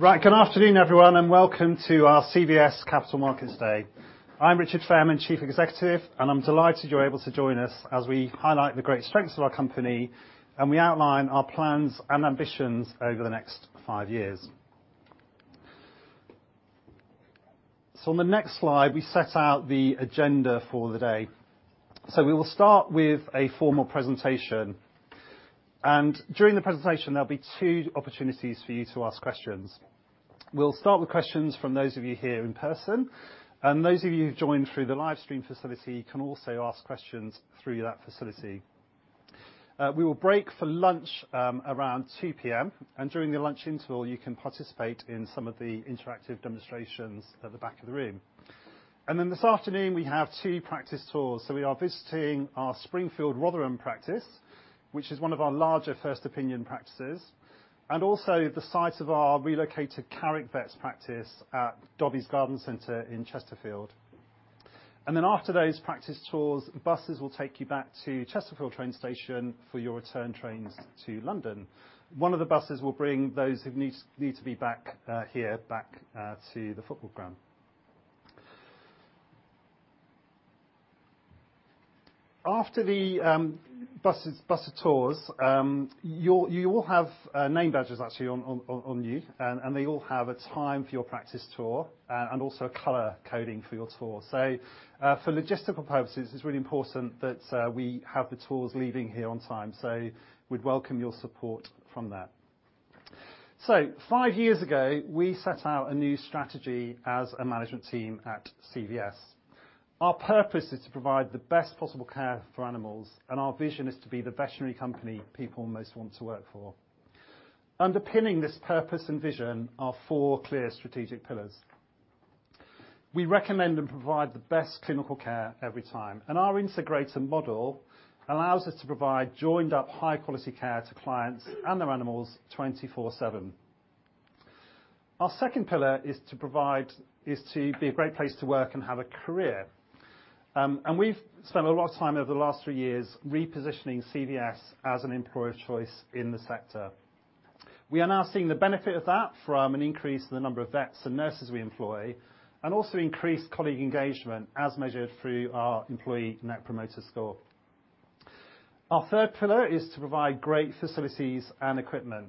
Right. Good afternoon, everyone, and welcome to our CVS Capital Markets Day. I'm Richard Fairman, Chief Executive, and I'm delighted you're able to join us as we highlight the great strengths of our company and we outline our plans and ambitions over the next five years. On the next slide, we set out the agenda for the day. We will start with a formal presentation, and during the presentation, there'll be two opportunities for you to ask questions. We'll start with questions from those of you here in person, and those of you who've joined through the live stream facility can also ask questions through that facility. We will break for lunch around 2:00 P.M., and during the lunch interval, you can participate in some of the interactive demonstrations at the back of the room. This afternoon, we have two practice tours. We are visiting our Springfield Rotherham practice, which is one of our larger 1st-opinion practices, and also the site of our relocated Carrick Vets practice at Dobbies Garden Centre in Chesterfield. Then after those practice tours, buses will take you back to Chesterfield train station for your return trains to London. One of the buses will bring those who need to be back here to the football ground. After the bus tours, you all have name badges actually on you, and they all have a time for your practice tour and also a color coding for your tour. For logistical purposes, it's really important that we have the tours leaving here on time. We'd welcome your support from that. Five years ago, we set out a new strategy as a management team at CVS. Our purpose is to provide the best possible care for animals, and our vision is to be the veterinary company people most want to work for. Underpinning this purpose and vision are four clear strategic pillars. We recommend and provide the best clinical care every time, and our integrated model allows us to provide joined-up, high-quality care to clients and their animals 24/7. Our 2nd pillar is to be a great place to work and have a career. We've spent a lot of time over the last three years repositioning CVS as an employer of choice in the sector. We are now seeing the benefit of that from an increase in the number of vets and nurses we employ, and also increased colleague engagement as measured through our employee Net Promoter Score. Our 3rd pillar is to provide great facilities and equipment.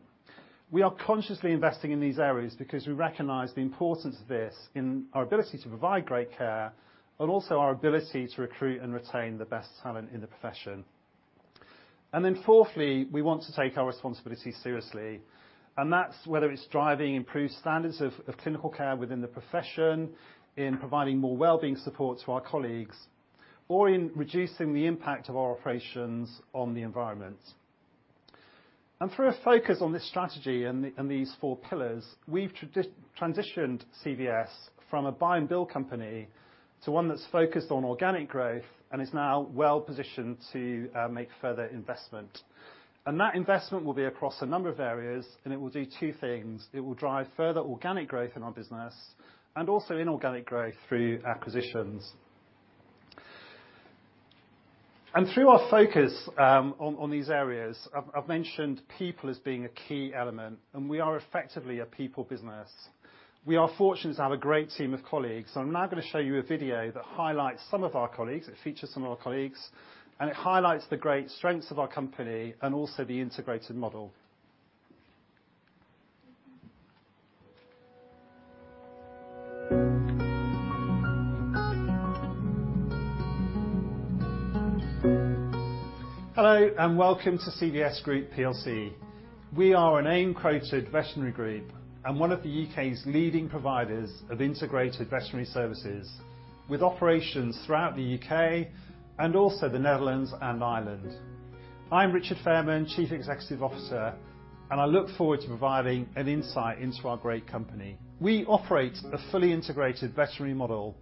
We are consciously investing in these areas because we recognize the importance of this in our ability to provide great care, but also our ability to recruit and retain the best talent in the profession. Fourthly, we want to take our responsibilities seriously, and that's whether it's driving improved standards of clinical care within the profession, in providing more wellbeing support to our colleagues, or in reducing the impact of our operations on the environment. Through a focus on this strategy and these four pillars, we've transitioned CVS from a buy and build company to one that's focused on organic growth and is now well positioned to make further investment. That investment will be across a number of areas, and it will do two things. It will drive further organic growth in our business and also inorganic growth through acquisitions. Through our focus on these areas, I've mentioned people as being a key element, and we are effectively a people business. We are fortunate to have a great team of colleagues, so I'm now gonna show you a video that highlights some of our colleagues. It features some of our colleagues, and it highlights the great strengths of our company and also the integrated model. Hello, and welcome to CVS Group plc. We are an AIM-quoted veterinary group and one of the U.K.s leading providers of integrated veterinary services, with operations throughout the U.K. and also the Netherlands and Ireland. I'm Richard Fairman, Chief Executive Officer, and I look forward to providing an insight into our great company. We operate a fully integrated veterinary model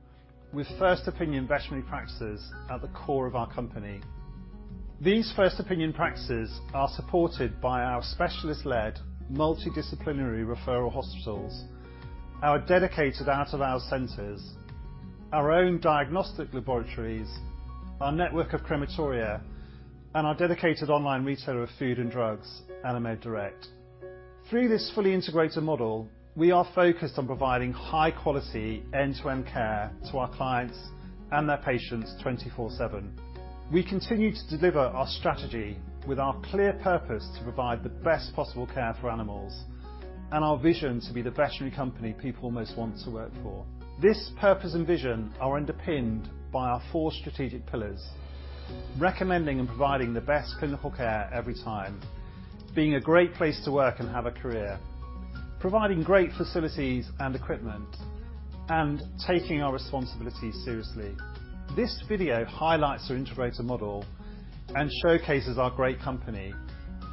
with 1st Opinion veterinary practices at the core of our company. These 1st Opinion practices are supported by our specialist-led, multidisciplinary referral hospitals, our dedicated out-of-hours centers, our own diagnostic laboratories, our network of crematoria, and our dedicated online retailer of food and drugs, Animed Direct. Through this fully integrated model, we are focused on providing high-quality, end-to-end care to our clients and their patients 24/7. We continue to deliver our strategy with our clear purpose to provide the best possible care for animals and our vision to be the veterinary company people most want to work for. This purpose and vision are underpinned by our four strategic pillars, recommending and providing the best clinical care every time, being a great place to work and have a career, providing great facilities and equipment, and taking our responsibilities seriously. This video highlights our integrated model and showcases our great company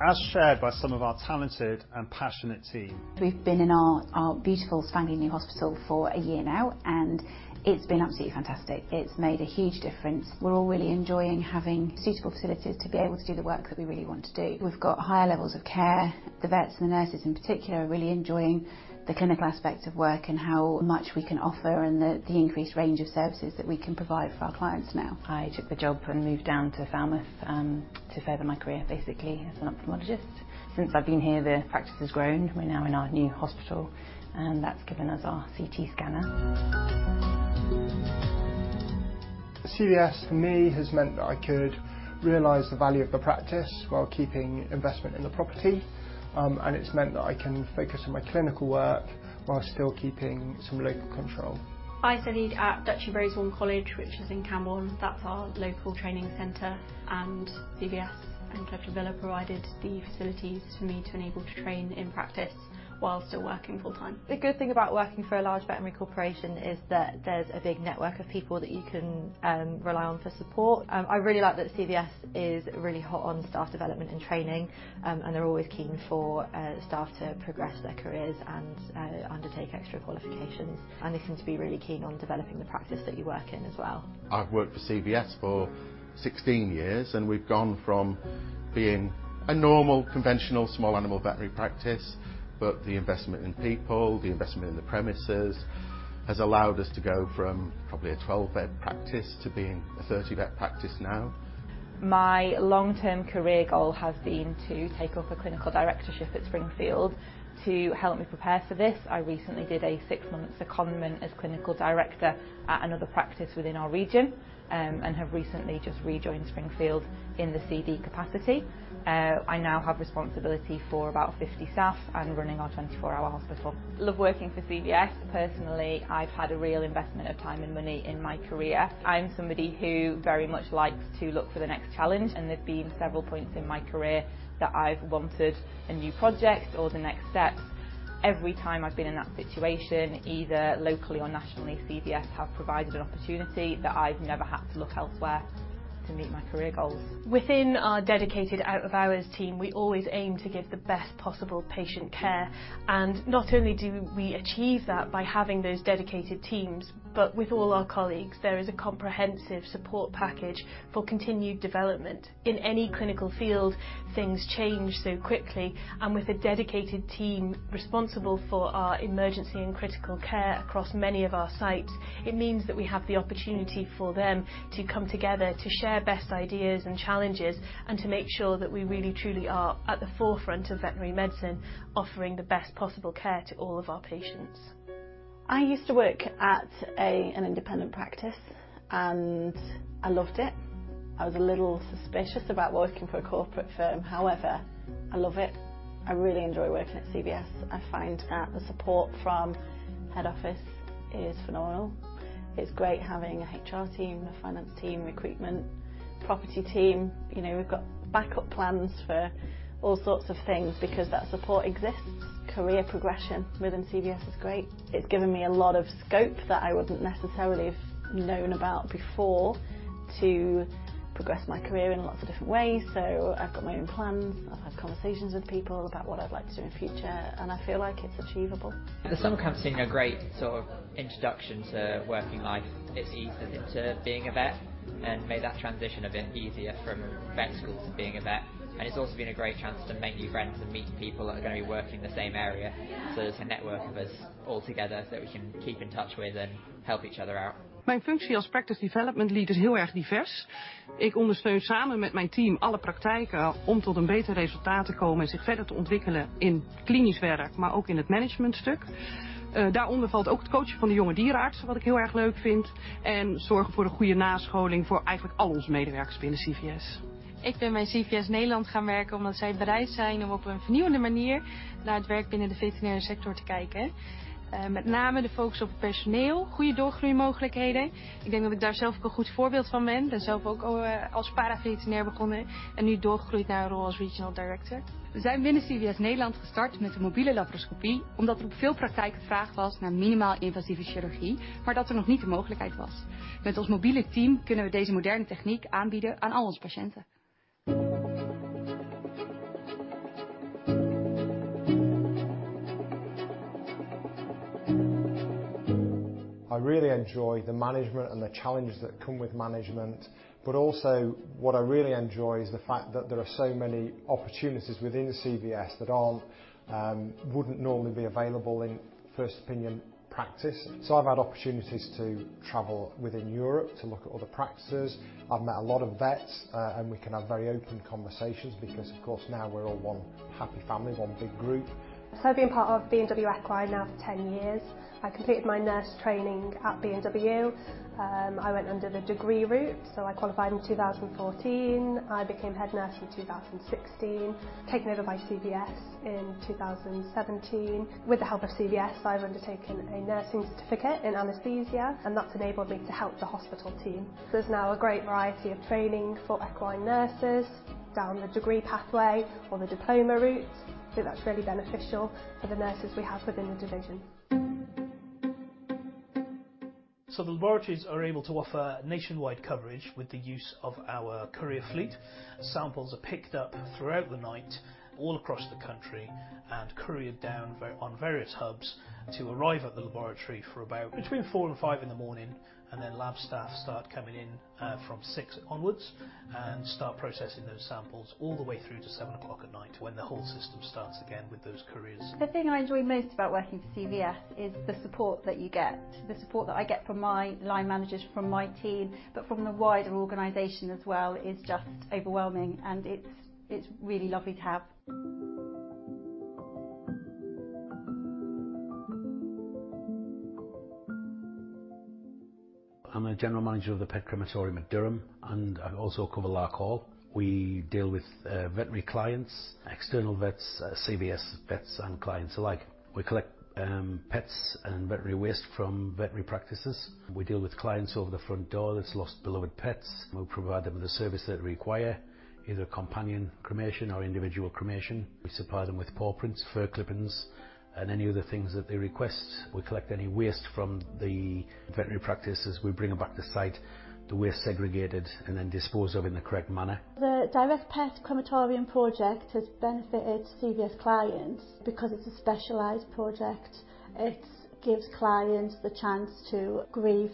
as shared by some of our talented and passionate team. We've been in our beautiful, spanking-new hospital for a year now, and it's been absolutely fantastic. It's made a huge difference. We're all really enjoying having suitable facilities to be able to do the work that we really want to do. We've got higher levels of care. The vets and the nurses in particular are really enjoying the clinical aspects of work and how much we can offer and the increased range of services that we can provide for our clients now. I took the job and moved down to Falmouth, to further my career, basically as an ophthalmologist. Since I've been here, the practice has grown. We're now in our new hospital, and that's given us our CT scanner. CVS for me has meant that I could realize the value of the practice while keeping investment in the property. It's meant that I can focus on my clinical work while still keeping some local control. I studied at Duchy College Rosewarne, which is in Camborne. That's our local training center, and CVS and Dr. Villa provided the facilities for me to enable to train in practice while still working full-time. The good thing about working for a large veterinary corporation is that there's a big network of people that you can rely on for support. I really like that CVS is really hot on staff development and training, and they're always keen for staff to progress their careers and undertake extra qualifications, and they seem to be really keen on developing the practice that you work in as well. I've worked for CVS for 16 years, and we've gone from being a normal, conventional small animal veterinary practice, but the investment in people, the investment in the premises has allowed us to go from probably a 12-vet practice to being a 30-vet practice now. My long-term career l goal has been to take up a clinical directorship at Springfield. To help me prepare for this, I recently did a six-month secondment as clinical director at another practice within our region, and have recently just rejoined Springfield in the CD capacity. I now have responsibility for about 50 staff and running our 24-hour hospital. Love working for CVS. Personally, I've had a real investment of time and money in my career. I'm somebody who very much likes to look for the next challenge, and there's been several points in my career that I've wanted a new project or the next step. Every time I've been in that situation, either locally or nationally, CVS have provided an opportunity that I've never had to look elsewhere to meet my career goals. Within our dedicated out-of-hours team, we always aim to give the best possible patient care, and not only do we achieve that by having those dedicated teams, but with all our colleagues, there is a comprehensive support package for continued development. In any clinical field, things change so quickly, and with a dedicated team responsible for our emergency and critical care across many of our sites, it means that we have the opportunity for them to come together to share best ideas and challenges, and to make sure that we really truly are at the forefront of veterinary medicine, offering the best possible care to all of our patients. I used to work at an independent practice, and I loved it. I was a little suspicious about working for a corporate firm. However, I love it. I really enjoy working at CVS. I find that the support from head office is phenomenal. It's great having an HR team, a finance team, recruitment, property team. You know, we've got backup plans for all sorts of things because that support exists. Career progression within CVS is great. It's given me a lot of scope that I wouldn't necessarily have known about before to progress my career in lots of different ways. I've got my own plans. I've had conversations with people about what I'd like to do in future, and I feel like it's achievable. The summer camp's been a great, sort of, introduction to working life. It's eased being a vet and made that transition a bit easier from vet school to being a vet, and it's also been a great chance to make new friends and meet people that are gonna be working in the same area, so there's a network of us all together that we can keep in touch with and help each other out. My function as practice development lead is very diverse. Together with my team, I support all practices to achieve better results and further develop themselves in clinical work, but also in management. This includes coaching young veterinarians, which I really enjoy, and ensuring good further education for all our employees within CVS. I started working with CVS Netherlands because they are willing to look at work in the veterinary sector in an innovative way. Especially the focus on staff, good career opportunities. I think I am a good example of that myself. I also started as a para veterinarian and have now progressed to a role as regional director. Within CVS Netherlands, we have started with mobile laparoscopy because there was a lot of demand from practices for minimally invasive surgery, but there was not yet an option. With our mobile team, we can offer this modern technology to all our patients. I really enjoy the management and the challenges that come with management. Also what I really enjoy is the fact that there are so many opportunities within CVS that aren't, wouldn't normally be available in 1st opinion practice. I've had opportunities to travel within Europe to look at other practices. I've met a lot of vets, and we can have very open conversations because, of course, now we're all one happy family, one big group. I've been part of B&W Equine now for 10 years. I completed my nurse training at B&W. I went under the degree route, so I qualified in 2014. I became head nurse in 2016, taken over by CVS in 2017. With the help of CVS, I've undertaken a nursing certificate in anesthesia, and that's enabled me to help the hospital team. There's now a great variety of training for equine nurses down the degree pathway or the diploma route. That's really beneficial for the nurses we have within the division. The laboratories are able to offer nationwide coverage with the use of our courier fleet. Samples are picked up throughout the night, all across the country and couriered on various hubs to arrive at the laboratory for about between four and the morning, and then lab staff start coming in from six onwards and start processing those samples all the way through to 7 o'clock at night when the whole system starts again with those couriers. The thing I enjoy most about working for CVS is the support that you get. The support that I get from my line managers, from my team, but from the wider organization as well, is just overwhelming, and it's really lovely to have. I'm the general manager of the pet crematorium at Durham, and I also cover Larkhall. We deal with veterinary clients, external vets, CVS vets and clients alike. We collect pets and veterinary waste from veterinary practices. We deal with clients over the front door that's lost beloved pets, and we provide them with the service they require, either companion cremation or individual cremation. We supply them with paw prints, fur clippings, and any of the things that they request. We collect any waste from the veterinary practices. We bring it back to site, the waste segregated, and then disposed of in the correct manner. The direct pet crematorium project has benefited CVS clients because it's a specialized project. It gives clients the chance to grieve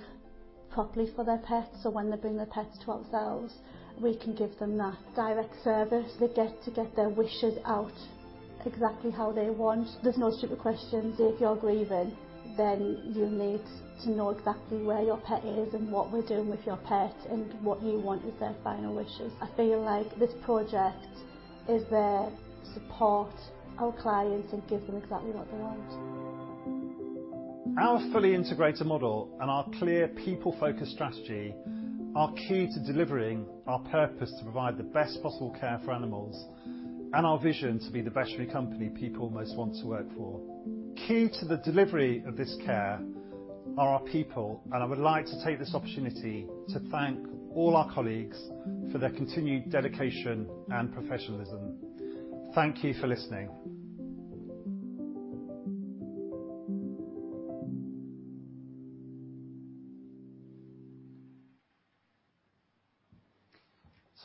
properly for their pets. When they bring their pets to ourselves, we can give them that direct service. They get to get their wishes out exactly how they want. There's no stupid questions. If you're grieving, then you need to know exactly where your pet is and what we're doing with your pet and what you want as their final wishes. I feel like this project is there to support our clients and give them exactly what they want. Our fully integrated model and our clear people-focused strategy are key to delivering our purpose to provide the best possible care for animals and our vision to be the veterinary company people most want to work for. Key to the delivery of this care are our people, and I would like to take this opportunity to thank all our colleagues for their continued dedication and professionalism. Thank you for listening.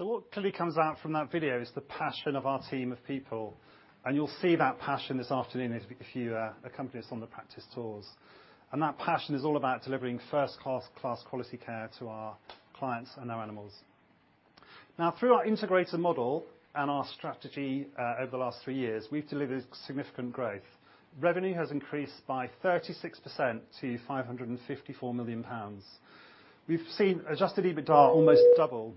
What clearly comes out from that video is the passion of our team of people, and you'll see that passion this afternoon as if you accompany us on the practice tours. That passion is all about delivering 1st-class quality care to our clients and our animals. Through our integrated model and our strategy, over the last three years, we've delivered significant growth. Revenue has increased by 36% to 554 million pounds. We've seen adjusted EBITDA almost double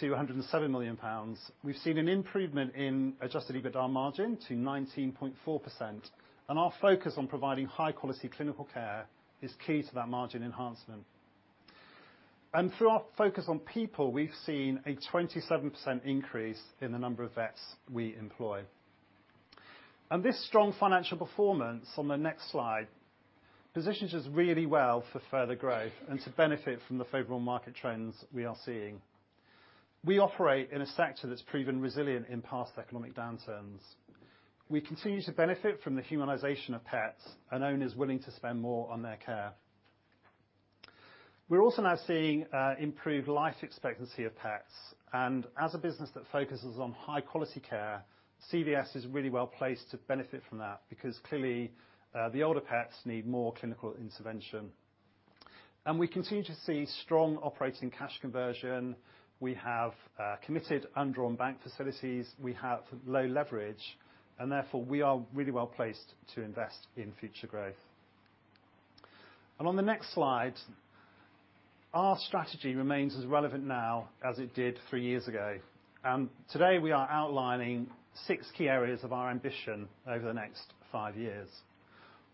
to 107 million pounds. We've seen an improvement in adjusted EBITDA margin to 19.4%, and our focus on providing high-quality clinical care is key to that margin enhancement. Through our focus on people, we've seen a 27% increase in the number of vets we employ. This strong financial performance on the next slide positions us really well for further growth and to benefit from the favorable market trends we are seeing. We operate in a sector that's proven resilient in past economic downturns. We continue to benefit from the humanization of pets and owners willing to spend more on their care. We're also now seeing improved life expectancy of pets, and as a business that focuses on high-quality care, CVS is really well placed to benefit from that because clearly the older pets need more clinical intervention. We continue to see strong operating cash conversion. We have committed undrawn bank facilities. We have low leverage, and therefore, we are really well placed to invest in future growth. On the next slide, our strategy remains as relevant now as it did three years ago. Today, we are outlining six key areas of our ambition over the next five years.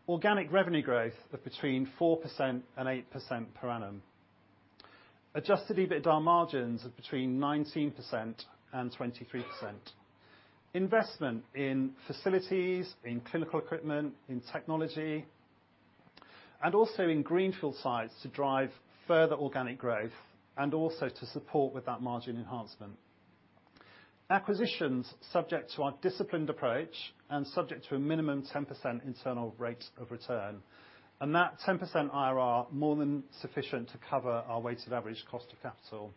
Organic revenue growth of between 4% and 8% per annum. Adjusted EBITDA margins of between 19% and 23%. Investment in facilities, in clinical equipment, in technology, and also in greenfield sites to drive further organic growth and also to support with that margin enhancement. Acquisitions subject to our disciplined approach and subject to a minimum 10% internal rate of return, and that 10% IRR more than sufficient to cover our weighted average cost of capital.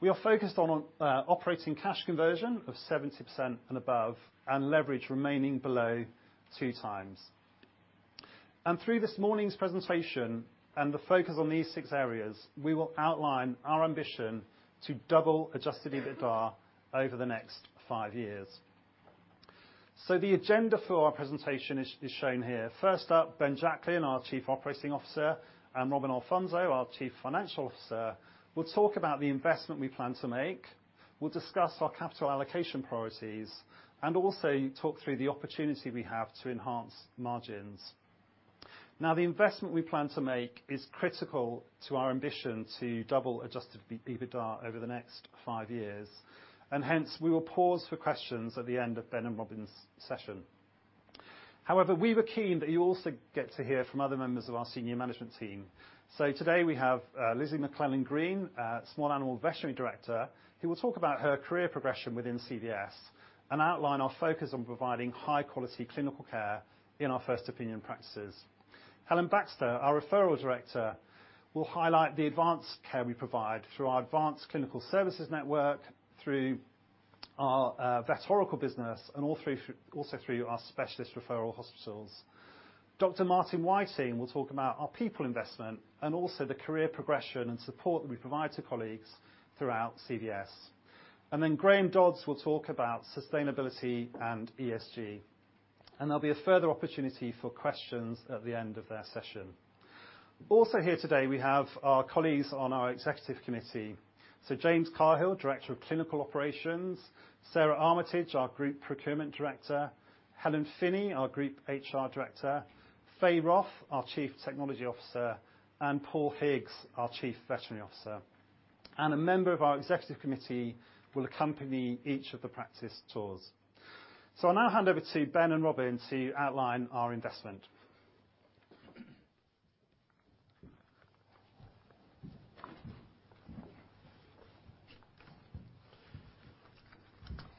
We are focused on operating cash conversion of 70% and above, and leverage remaining below 2x. Through this morning's presentation and the focus on these six areas, we will outline our ambition to double adjusted EBITDA over the next five years. The agenda for our presentation is shown here. First up, Ben Jacklin, our Chief Operating Officer, and Robin Alfonso, our Chief Financial Officer, will talk about the investment we plan to make. We'll discuss our capital allocation priorities and also talk through the opportunity we have to enhance margins. Now, the investment we plan to make is critical to our ambition to double adjusted EBITDA over the next five years, and hence, we will pause for questions at the end of Ben and Robin's session. However, we were keen that you also get to hear from other members of our senior management team. Today, we have Lizzie McLennan-Green, Small Animal Veterinary Director, who will talk about her career progression within CVS and outline our focus on providing high-quality clinical care in our 1st opinion practices. Helen Baxter, our Referrals Director, will highlight the advanced care we provide through our Advanced Clinical Service Network, through our Vet Oracle business, and also through our specialist referral hospitals. Dr. Martin Whiting will talk about our people investment and also the career progression and support that we provide to colleagues throughout CVS. Then Graham Dodds will talk about sustainability and ESG, and there'll be a further opportunity for questions at the end of their session. Also here today, we have our colleagues on our executive committee. James Cahill, Director of Clinical Operations, Sarah Armitage, our Group Procurement Director, Helen Finney, our Group HR Director, Faye Roth, our Chief Technology Officer, and Paul Higgs, our Chief Veterinary Officer. A member of our executive committee will accompany each of the practice tours. I'll now hand over to Ben and Robin to outline our investment.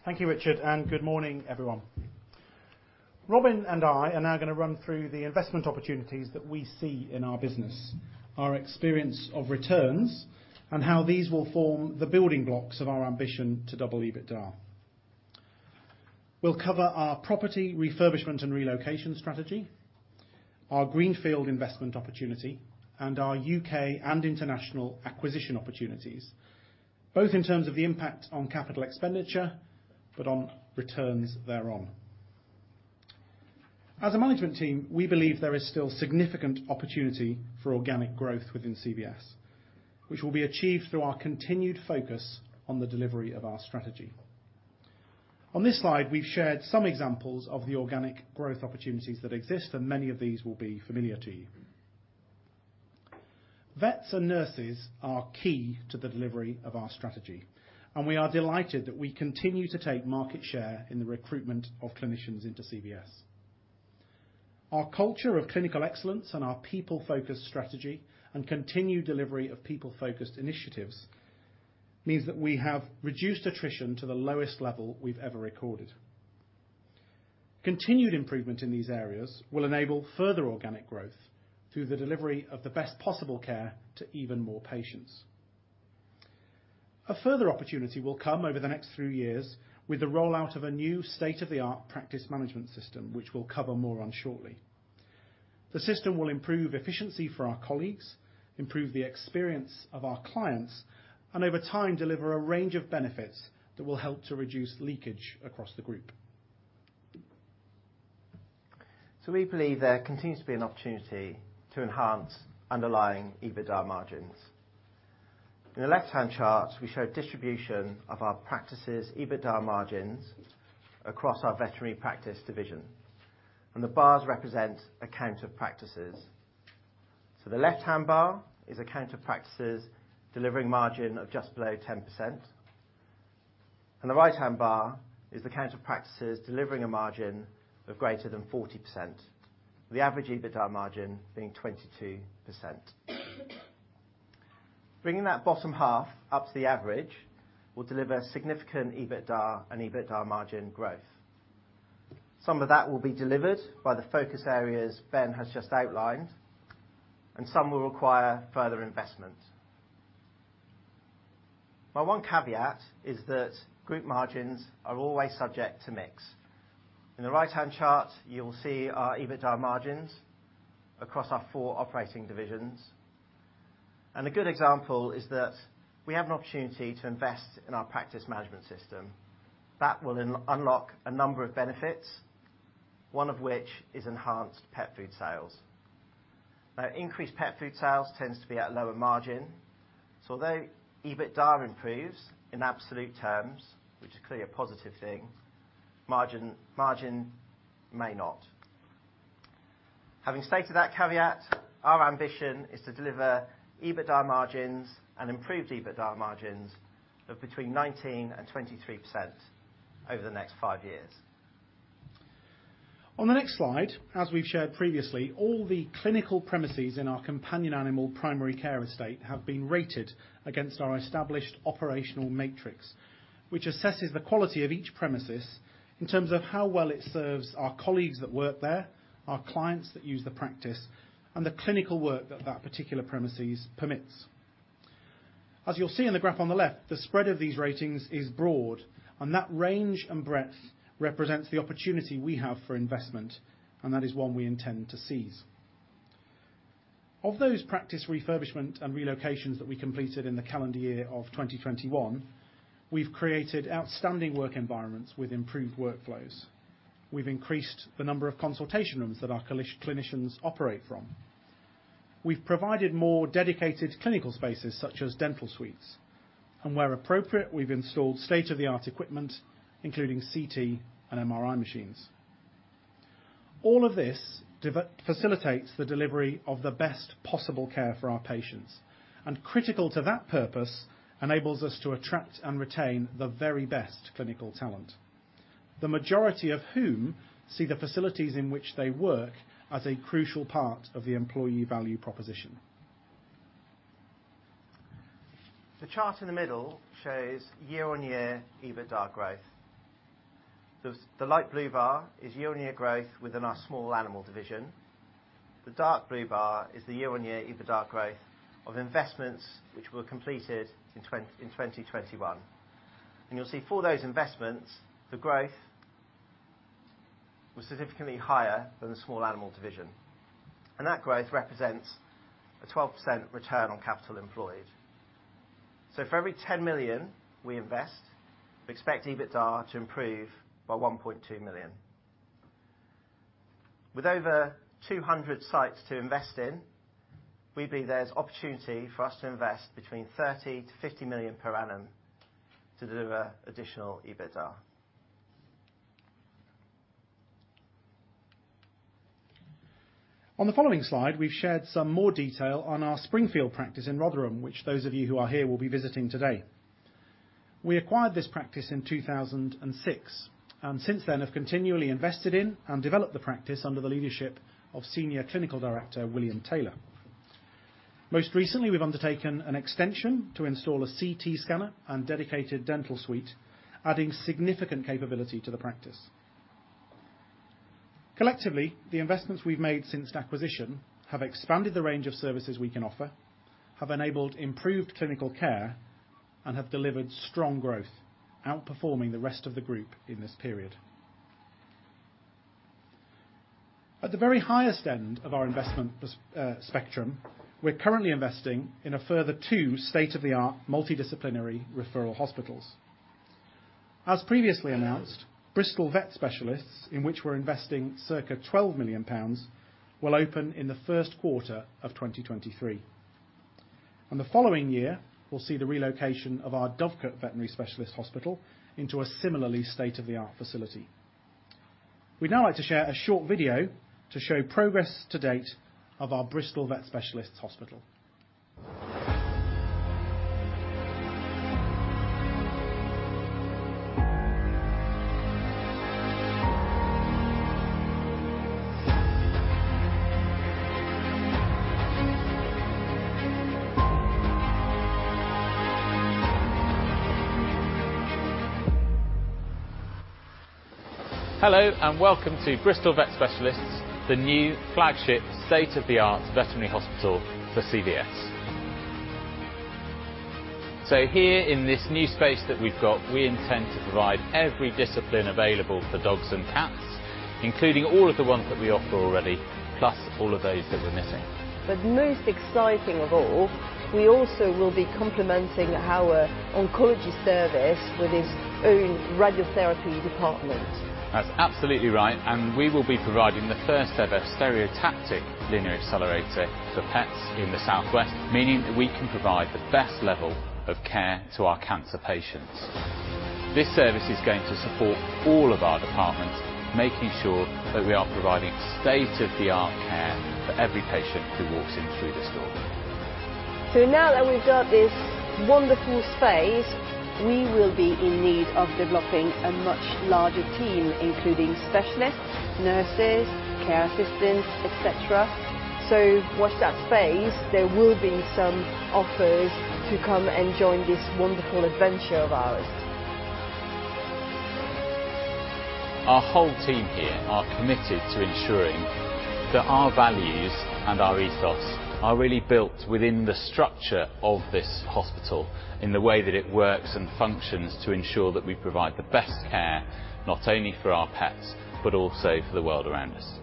Thank you, Richard, and good morning, everyone. Robin and I are now gonna run through the investment opportunities that we see in our business, our experience of returns, and how these will form the building blocks of our ambition to double EBITDA. We'll cover our property refurbishment and relocation strategy, our greenfield investment opportunity, and our U.K. and international acquisition opportunities, both in terms of the impact on capital expenditure, but on returns thereon. As a management team, we believe there is still significant opportunity for organic growth within CVS, which will be achieved through our continued focus on the delivery of our strategy. On this slide, we've shared some examples of the organic growth opportunities that exist, and many of these will be familiar to you. Vets and nurses are key to the delivery of our strategy, and we are delighted that we continue to take market share in the recruitment of clinicians into CVS. Our culture of clinical excellence and our people-focused strategy and continued delivery of people-focused initiatives means that we have reduced attrition to the lowest level we've ever recorded. Continued improvement in these areas will enable further organic growth through the delivery of the best possible care to even more patients. A further opportunity will come over the next three years with the rollout of a new state-of-the-art practice management system, which we'll cover more on shortly. The system will improve efficiency for our colleagues, improve the experience of our clients, and over time, deliver a range of benefits that will help to reduce leakage across the group. We believe there continues to be an opportunity to enhance underlying EBITDA margins. In the left-hand chart, we show distribution of our practices' EBITDA margins across our veterinary practice division, and the bars represent a count of practices. The left-hand bar is a count of practices delivering margin of just below 10%, and the right-hand bar is the count of practices delivering a margin of greater than 40%. The average EBITDA margin being 22%. Bringing that bottom half up to the average will deliver significant EBITDA and EBITDA margin growth. Some of that will be delivered by the focus areas Ben has just outlined, and some will require further investment. My one caveat is that group margins are always subject to mix. In the right-hand chart, you'll see our EBITDA margins across our four operating divisions. A good example is that we have an opportunity to invest in our practice management system. That will unlock a number of benefits, one of which is enhanced pet food sales. Now, increased pet food sales tends to be at lower margin, so although EBITDA improves in absolute terms, which is clearly a positive thing, margin may not. Having stated that caveat, our ambition is to deliver EBITDA margins and improved EBITDA margins of between 19% and 23% over the next five years. On the next slide, as we've shared previously, all the clinical premises in our companion animal primary care estate have been rated against our established operational matrix, which assesses the quality of each premises in terms of how well it serves our colleagues that work there, our clients that use the practice, and the clinical work that that particular premises permits. As you'll see in the graph on the left, the spread of these ratings is broad, and that range and breadth represents the opportunity we have for investment, and that is one we intend to seize. Of those practice refurbishment and relocations that we completed in the calendar year of 2021, we've created outstanding work environments with improved workflows. We've increased the number of consultation rooms that our clinicians operate from. We've provided more dedicated clinical spaces, such as dental suites. Where appropriate, we've installed state-of-the-art equipment, including CT and MRI machines. All of this facilitates the delivery of the best possible care for our patients. Critical to that purpose enables us to attract and retain the very best clinical talent, the majority of whom see the facilities in which they work as a crucial part of the employee value proposition. The chart in the middle shows year-on-year EBITDA growth. The light blue bar is year-on-year growth within our small animal division. The dark blue bar is the year-on-year EBITDA growth of investments which were completed in 2021. You'll see for those investments, the growth was significantly higher than the small animal division. That growth represents a 12% return on capital employed. For every 10 million we invest, we expect EBITDA to improve by 1.2 million. With over 200 sites to invest in, we believe there's opportunity for us to invest between 30 million-50 million per annum to deliver additional EBITDA. On the following slide, we've shared some more detail on our Springfield practice in Rotherham, which those of you who are here will be visiting today. We acquired this practice in 2006, and since then have continually invested in and developed the practice under the leadership of Senior Clinical Director William Taylor. Most recently, we've undertaken an extension to install a CT scanner and dedicated dental suite, adding significant capability to the practice. Collectively, the investments we've made since acquisition have expanded the range of services we can offer, have enabled improved clinical care, and have delivered strong growth, outperforming the rest of the group in this period. At the very highest end of our investment spectrum, we're currently investing in a further two state-of-the-art multidisciplinary referral hospitals. As previously announced, Bristol Vet Specialists, in which we're investing circa 12 million pounds, will open in the 1st quarter of 2023. The following year, we'll see the relocation of our Dovecote Veterinary Hospital into a similarly state-of-the-art facility. We'd now like to share a short video to show progress to date of our Bristol Vet Specialists. Hello, and welcome to Bristol Vet Specialists, the new flagship state-of-the-art veterinary hospital for CVS. Here in this new space that we've got, we intend to provide every discipline available for dogs and cats, including all of the ones that we offer already, plus all of those that we're missing. Most exciting of all, we also will be complementing our oncology service with its own radiotherapy department. That's absolutely right, and we will be providing the 1st-ever stereotactic linear accelerator for pets in the South West, meaning that we can provide the best level of care to our cancer patients. This service is going to support all of our departments, making sure that we are providing state-of-the-art care for every patient who walks in through this door. Now that we've got this wonderful space, we will be in need of developing a much larger team, including specialists, nurses, care assistants, et cetera. Watch that space. There will be some offers to come and join this wonderful adventure of ours. Our whole team here are committed to ensuring that our values and our ethos are really built within the structure of this hospital in the way that it works and functions to ensure that we provide the best care, not only for our pets, but also for the world around us.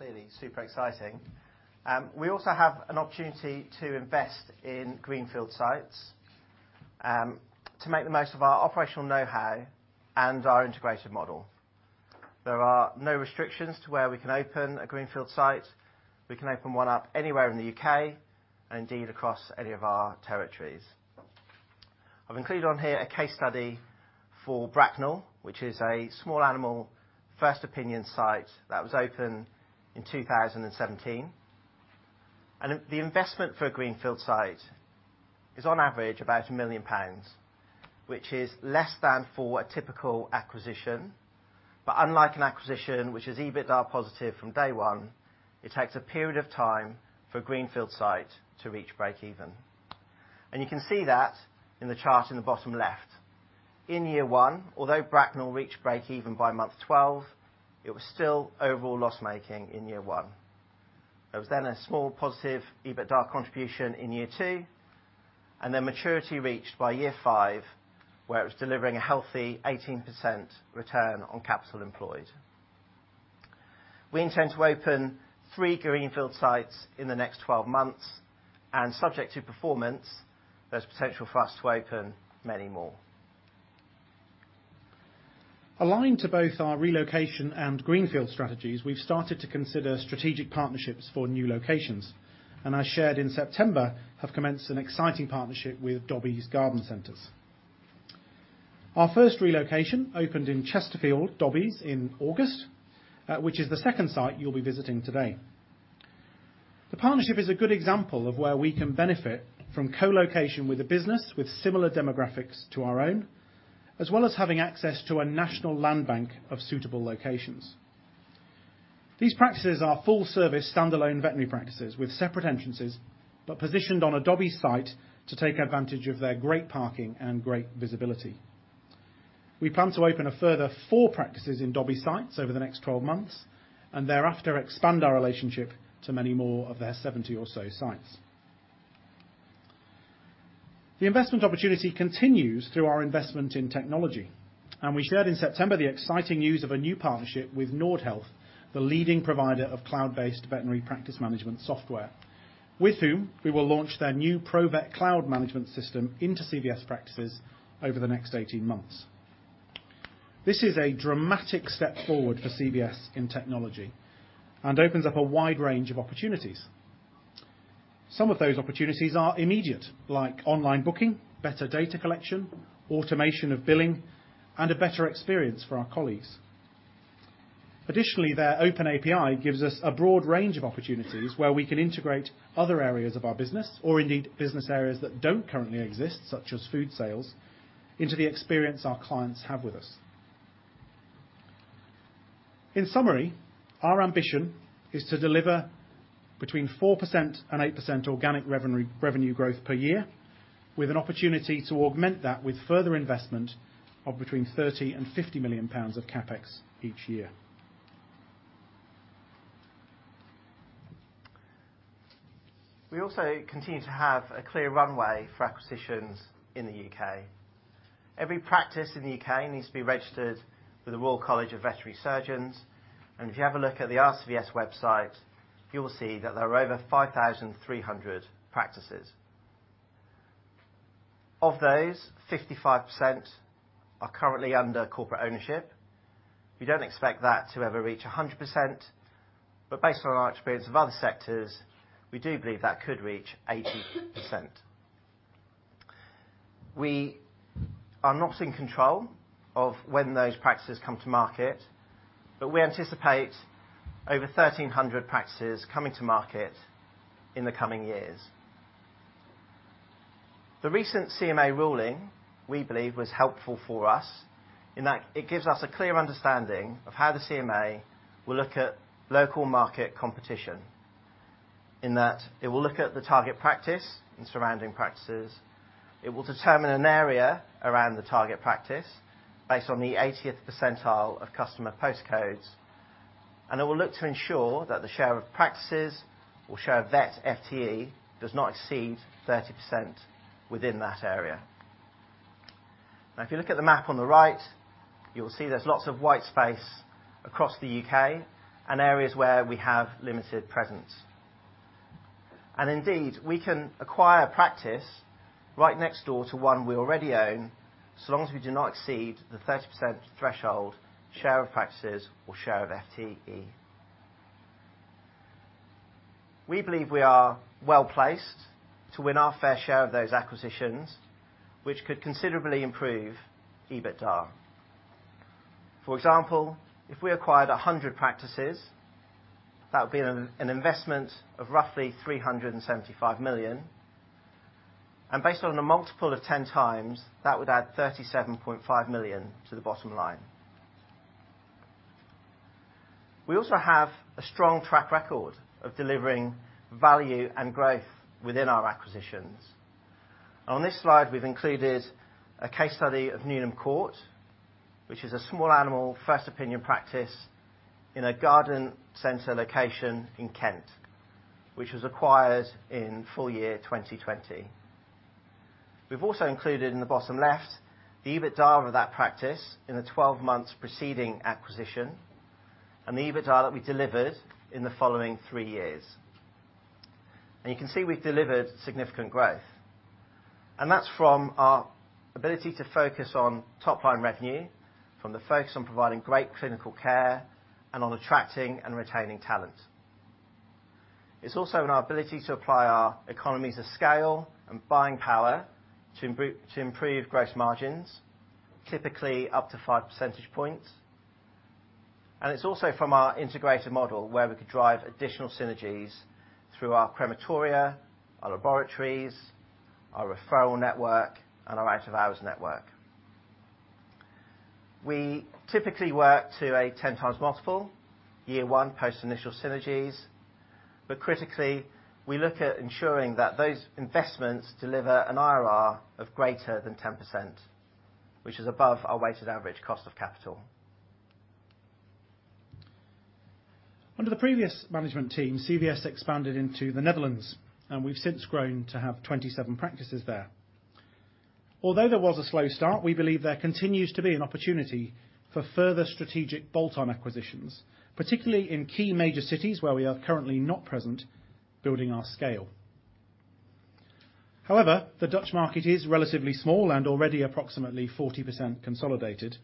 Well, that's clearly super exciting. We also have an opportunity to invest in greenfield sites, to make the most of our operational know-how and our integrated model. There are no restrictions to where we can open a greenfield site. We can open one up anywhere in the U.K. and indeed across any of our territories. I've included on here a case study for Bracknell, which is a small animal 1st opinion site that was opened in 2017. The investment for a greenfield site is on average about 1 million pounds, which is less than for a typical acquisition. Unlike an acquisition which is EBITDA positive from day one, it takes a period of time for a greenfield site to reach break even. You can see that in the chart in the bottom left. In year one although Bracknell reached breakeven by month 12, it was still overall loss-making in year one. There was then a small positive EBITDA contribution in yearn and then maturity reached by year five, where it was delivering a healthy 18% return on capital employed. We intend to open three greenfield sites in the next 12 months, and subject to performance, there's potential for us to open many more. Aligned to both our relocation and greenfield strategies, we've started to consider strategic partnerships for new locations, and as shared in September, have commenced an exciting partnership with Dobbies Garden Centres. Our 1st relocation opened in Chesterfield, Dobbies, in August, which is the 2nd site you'll be visiting today. The partnership is a good example of where we can benefit from co-location with a business with similar demographics to our own, as well as having access to a national land bank of suitable locations. These practices are full-service, standalone veterinary practices with separate entrances, but positioned on a Dobbies site to take advantage of their great parking and great visibility. We plan to open a further four practices in Dobbies sites over the next 12 months, and thereafter expand our relationship to many more of their 70 or so sites. The investment opportunity continues through our investment in technology, and we shared in September the exciting news of a new partnership with Nordhealth, the leading provider of cloud-based veterinary practice management software, with whom we will launch their new Provet Cloud management system into CVS practices over the next 18 months. This is a dramatic step forward for CVS in technology and opens up a wide range of opportunities. Some of those opportunities are immediate, like online booking, better data collection, automation of billing, and a better experience for our colleagues. Additionally, their OpenAPI gives us a broad range of opportunities where we can integrate other areas of our business, or indeed business areas that don't currently exist, such as food sales, into the experience our clients have with us. In summary, our ambition is to deliver between 4% and 8% organic revenue growth per year, with an opportunity to augment that with further investment of between 30 million and 50 million pounds of CapEx each year. We also continue to have a clear runway for acquisitions in the U.K.. Every practice in the U.K. needs to be registered with the Royal College of Veterinary Surgeons, and if you have a look at the RCVS website, you will see that there are over 5,300 practices. Of those, 55% are currently under corporate ownership. We don't expect that to ever reach 100%, but based on our experience of other sectors, we do believe that could reach 80%. We are not in control of when those practices come to market, but we anticipate over 1,300 practices coming to market in the coming years. The recent CMA ruling, we believe, was helpful for us in that it gives us a clear understanding of how the CMA will look at local market competition, in that it will look at the target practice and surrounding practices. It will determine an area around the target practice based on the 80th percentile of customer post codes, and it will look to ensure that the share of practices or share of vet FTE does not exceed 30% within that area. Now, if you look at the map on the right, you will see there's lots of white space across the U.K. and areas where we have limited presence. Indeed, we can acquire practice right next door to one we already own, so long as we do not exceed the 30% threshold share of practices or share of FTE. We believe we are well-placed to win our fair share of those acquisitions, which could considerably improve EBITDA. For example, if we acquired 100 practices, that would be an investment of roughly 375 million. Based on a multiple of 10x, that would add 37.5 million to the bottom line. We also have a strong track record of delivering value and growth within our acquisitions. On this slide, we've included a case study of Newnham Court, which is a small animal 1st opinion practice in a garden center location in Kent, which was acquired in full year 2020. We've also included in the bottom left the EBITDA of that practice in the 12 months preceding acquisition and the EBITDA that we delivered in the following three years. You can see we've delivered significant growth, and that's from our ability to focus on top-line revenue, from the focus on providing great clinical care, and on attracting and retaining talent. It's also in our ability to apply our economies of scale and buying power to improve gross margins, typically up to 5 percentage points, and it's also from our integrated model where we could drive additional synergies through our crematoria, our laboratories, our referral network, and our out-of-hours network. We typically work to a 10x multiple year one post initial synergies, but critically, we look at ensuring that those investments deliver an IRR of greater than 10%, which is above our weighted average cost of capital. Under the previous management team, CVS expanded into the Netherlands, and we've since grown to have 27 practices there. Although there was a slow start, we believe there continues to be an opportunity for further strategic bolt-on acquisitions, particularly in key major cities where we are currently not present building our scale. However, the Dutch market is relatively small and already approximately 40% consolidated,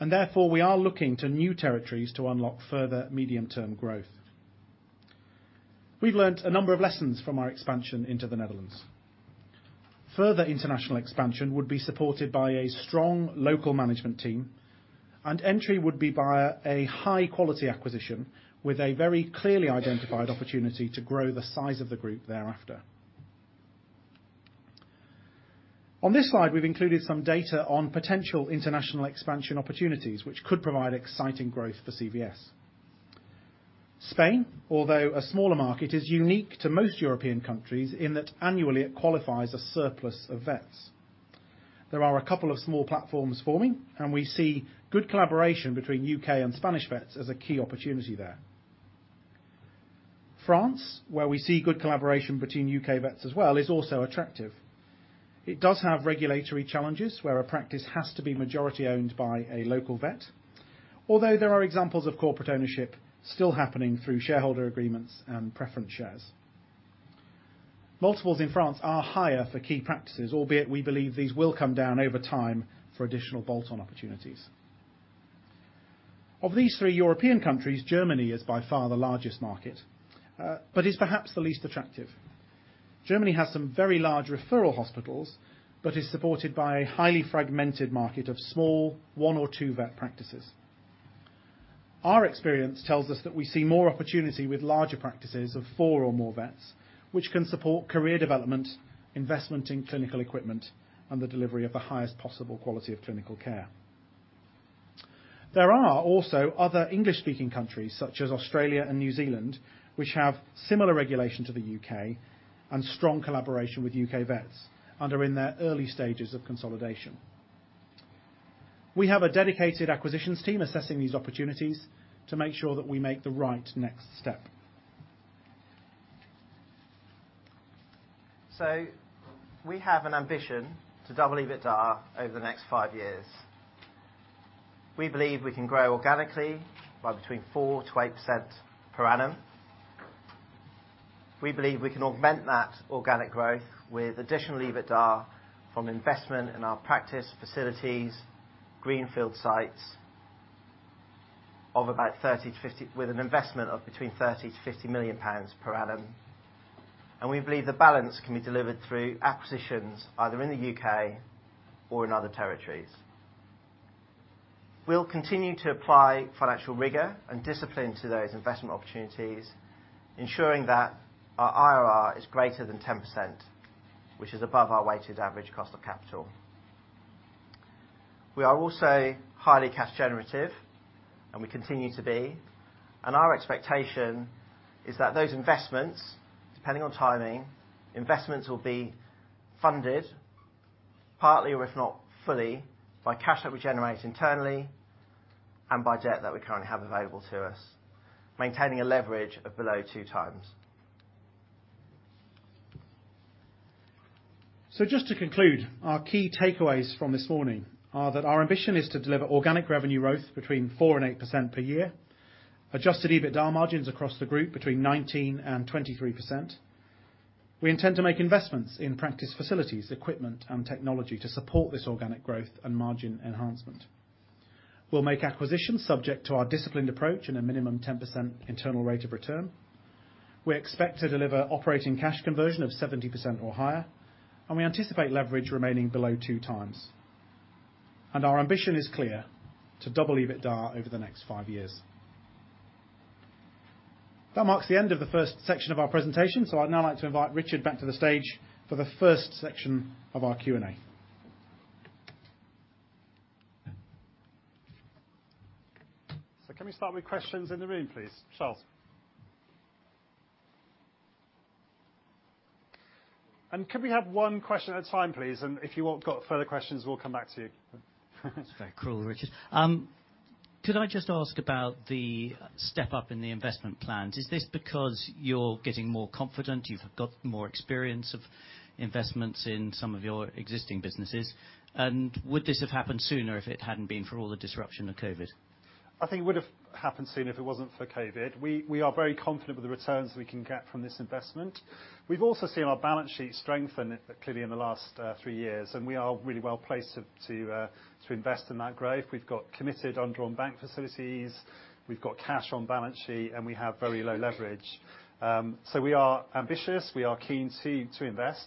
and therefore, we are looking to new territories to unlock further medium-term growth. We've learned a number of lessons from our expansion into the Netherlands. Further international expansion would be supported by a strong local management team, and entry would be via a high-quality acquisition with a very clearly identified opportunity to grow the size of the group thereafter. On this slide, we've included some data on potential international expansion opportunities which could provide exciting growth for CVS. Spain, although a smaller market, is unique to most European countries in that annually it qualifies a surplus of vets. There are a couple of small platforms forming, and we see good collaboration between U.K. and Spanish vets as a key opportunity there. France, where we see good collaboration between U.K. vets as well, is also attractive. It does have regulatory challenges where a practice has to be majority-owned by a local vet, although there are examples of corporate ownership still happening through shareholder agreements and preference shares. Multiples in France are higher for key practices, albeit we believe these will come down over time for additional bolt-on opportunities. Of these three European countries, Germany is by far the largest market, but is perhaps the least attractive. Germany has some very large referral hospitals, but is supported by a highly fragmented market of small one or two vet practices. Our experience tells us that we see more opportunity with larger practices of four or more vets, which can support career development, investment in clinical equipment, and the delivery of the highest possible quality of clinical care. There are also other English-speaking countries such as Australia and New Zealand, which have similar regulation to the U.K. and strong collaboration with U.K. vets and are in their early stages of consolidation. We have a dedicated acquisitions team assessing these opportunities to make sure that we make the right next step. We have an ambition to double EBITDA over the next five years. We believe we can grow organically by between 4%-8% per annum. We believe we can augment that organic growth with additional EBITDA from investment in our practice facilities, greenfield sites with an investment of between 30 million-50 million pounds per annum. We believe the balance can be delivered through acquisitions either in the U.K. or in other territories. We'll continue to apply financial rigor and discipline to those investment opportunities, ensuring that our IRR is greater than 10%, which is above our weighted average cost of capital. We are also highly cash generative, and we continue to be, and our expectation is that those investments, depending on timing, will be funded partly, or if not fully, by cash that we generate internally and by debt that we currently have available to us, maintaining a leverage of below 2x. Just to conclude, our key takeaways from this morning are that our ambition is to deliver organic revenue growth between 4% and 8% per year. Adjusted EBITDA margins across the group between 19% and 23%. We intend to make investments in practice facilities, equipment and technology to support this organic growth and margin enhancement. We'll make acquisitions subject to our disciplined approach in a minimum 10% internal rate of return. We expect to deliver operating cash conversion of 70% or higher, and we anticipate leverage remaining below 2x. Our ambition is clear, to double EBITDA over the next five years. That marks the end of the 1st section of our presentation. I'd now like to invite Richard back to the stage for the 1st section of our Q&A. Can we start with questions in the room, please? Charles. Could we have one question at a time, please? If you've got further questions, we'll come back to you. That's very cruel, Richard. Could I just ask about the step-up in the investment plans? Is this because you're getting more confident, you've got more experience of investments in some of your existing businesses? Would this have happened sooner if it hadn't been for all the disruption of COVID? I think it would have happened sooner if it wasn't for COVID. We are very confident with the returns we can get from this investment. We've also seen our balance sheet strengthen clearly in the last three years, and we are really well-placed to invest in that growth. We've got committed undrawn bank facilities. We've got cash on balance sheet, and we have very low leverage. We are ambitious. We are keen to invest.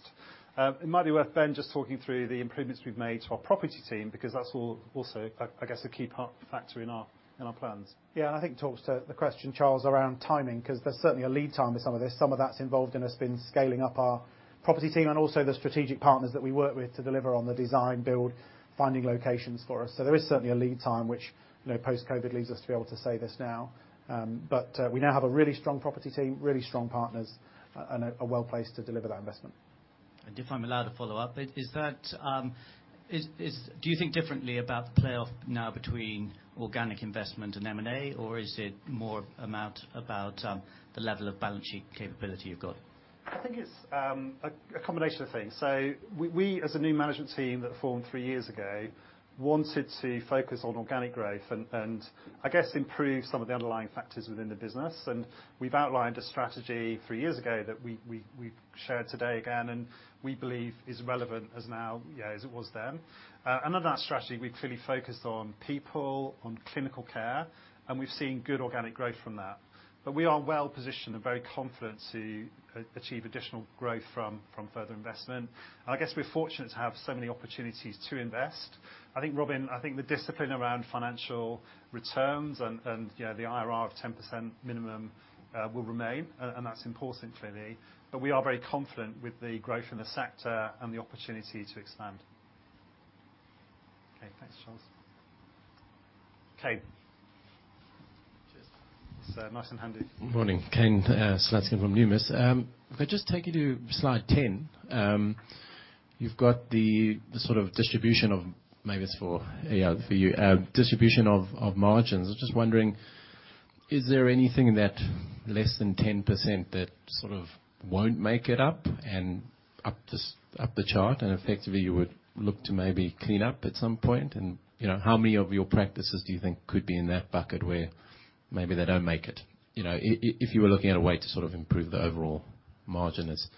It might be worth Ben just talking through the improvements we've made to our property team because that's also, I guess, a key part factor in our plans. Yeah. I think it talks to the question, Charles, around timing 'cause there's certainly a lead time to some of this. Some of that's involved in us been scaling up our property team and also the strategic partners that we work with to deliver on the design build, finding locations for us. There is certainly a lead time which, you know, post-COVID leads us to be able to say this now. We now have a really strong property team, really strong partners, and are well-placed to deliver that investment. If I'm allowed to follow up, do you think differently about the payoff now between organic investment and M&A, or is it more a matter of the level of balance sheet capability you've got? I think it's a combination of things. We as a new management team that formed three years ago wanted to focus on organic growth and I guess improve some of the underlying factors within the business. We've outlined a strategy three years ago that we've shared today again, and we believe is relevant as now, you know, as it was then. Under that strategy, we've really focused on people, on clinical care, and we've seen good organic growth from that. We are well-positioned and very confident to achieve additional growth from further investment. We're fortunate to have so many opportunities to invest. I think, Robin, the discipline around financial returns and you know, the IRR of 10% minimum will remain, and that's important clearly. We are very confident with the growth in the sector and the opportunity to expand. Okay, thanks, Charles. Kane. Cheers. Nice and handy. Good morning. Kane Slutzkin from Numis. If I just take you to slide 10, you've got the sort of distribution of margins. I'm just wondering, is there anything that less than 10% that sort of won't make it up the chart, and effectively you would look to maybe clean up at some point? You know, how many of your practices do you think could be in that bucket where maybe they don't make it? You know, if you were looking at a way to sort of improve the overall margins.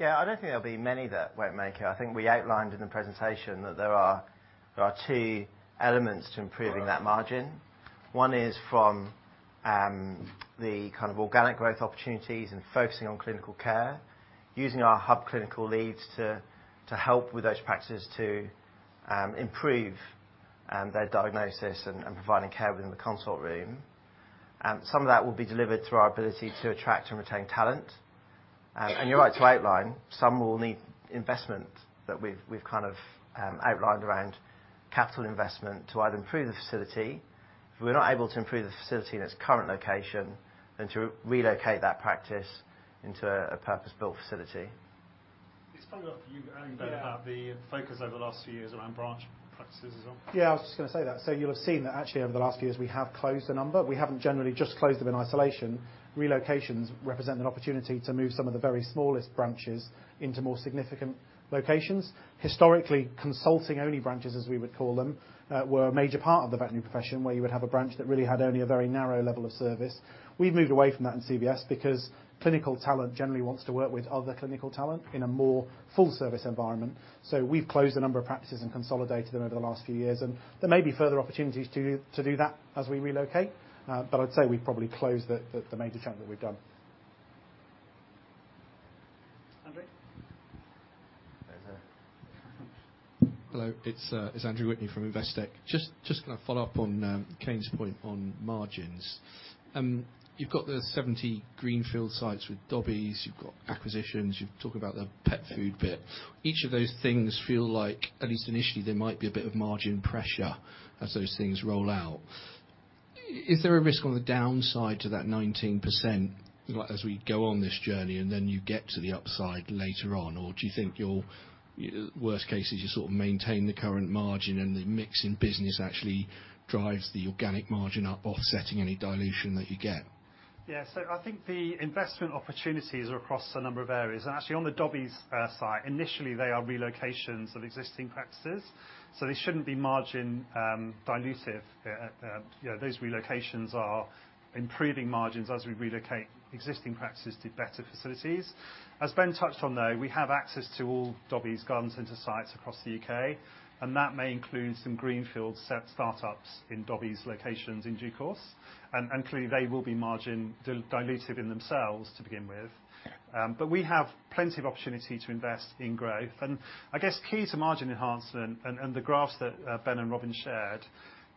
Yeah, I don't think there'll be many that won't make it. I think we outlined in the presentation that there are two elements to improving that margin. One is from the kind of organic growth opportunities and focusing on clinical care, using our hub clinical leads to help with those practices to improve their diagnosis and providing care within the consult room. Some of that will be delivered through our ability to attract and retain talent. And you're right to outline some will need investment that we've kind of outlined around capital investment to either improve the facility. If we're not able to improve the facility in its current location, then to relocate that practice into a purpose-built facility. Just following up for you, Ben, about the focus over the last few years around branch practices as well. Yeah, I was just gonna say that. You'll have seen that actually over the last few years, we have closed a number. We haven't generally just closed them in isolation. Relocations represent an opportunity to move some of the very smallest branches into more significant locations. Historically, consulting only branches, as we would call them, were a major part of the veterinary profession, where you would have a branch that really had only a very narrow level of service. We've moved away from that in CVS because clinical talent generally wants to work with other clinical talent in a more full service environment. We've closed a number of practices and consolidated them over the last few years, and there may be further opportunities to do that as we relocate. But I'd say we probably closed the major chunk that we've done. Andrew. Hi, sir. Hello, it's Andrew Whitney from Investec. Just gonna follow up on Kane's point on margins. You've got the 70 greenfield sites with Dobbies, you've got acquisitions, you've talked about the pet food bit. Each of those things feel like at least initially, there might be a bit of margin pressure as those things roll out. Is there a risk on the downside to that 19%, like, as we go on this journey, and then you get to the upside later on? Or do you think your worst case is you sort of maintain the current margin and the mix in business actually drives the organic margin up, offsetting any dilution that you get? Yeah. I think the investment opportunities are across a number of areas. Actually on the Dobbies site, initially they are relocations of existing practices, so they shouldn't be margin dilutive. You know, those relocations are improving margins as we relocate existing practices to better facilities. As Ben touched on, though, we have access to all Dobbies garden center sites across the U.K., and that may include some greenfield site startups in Dobbies locations in due course. Clearly they will be margin dilutive in themselves to begin with. We have plenty of opportunity to invest in growth. I guess key to margin enhancement and the graphs that Ben and Robin shared,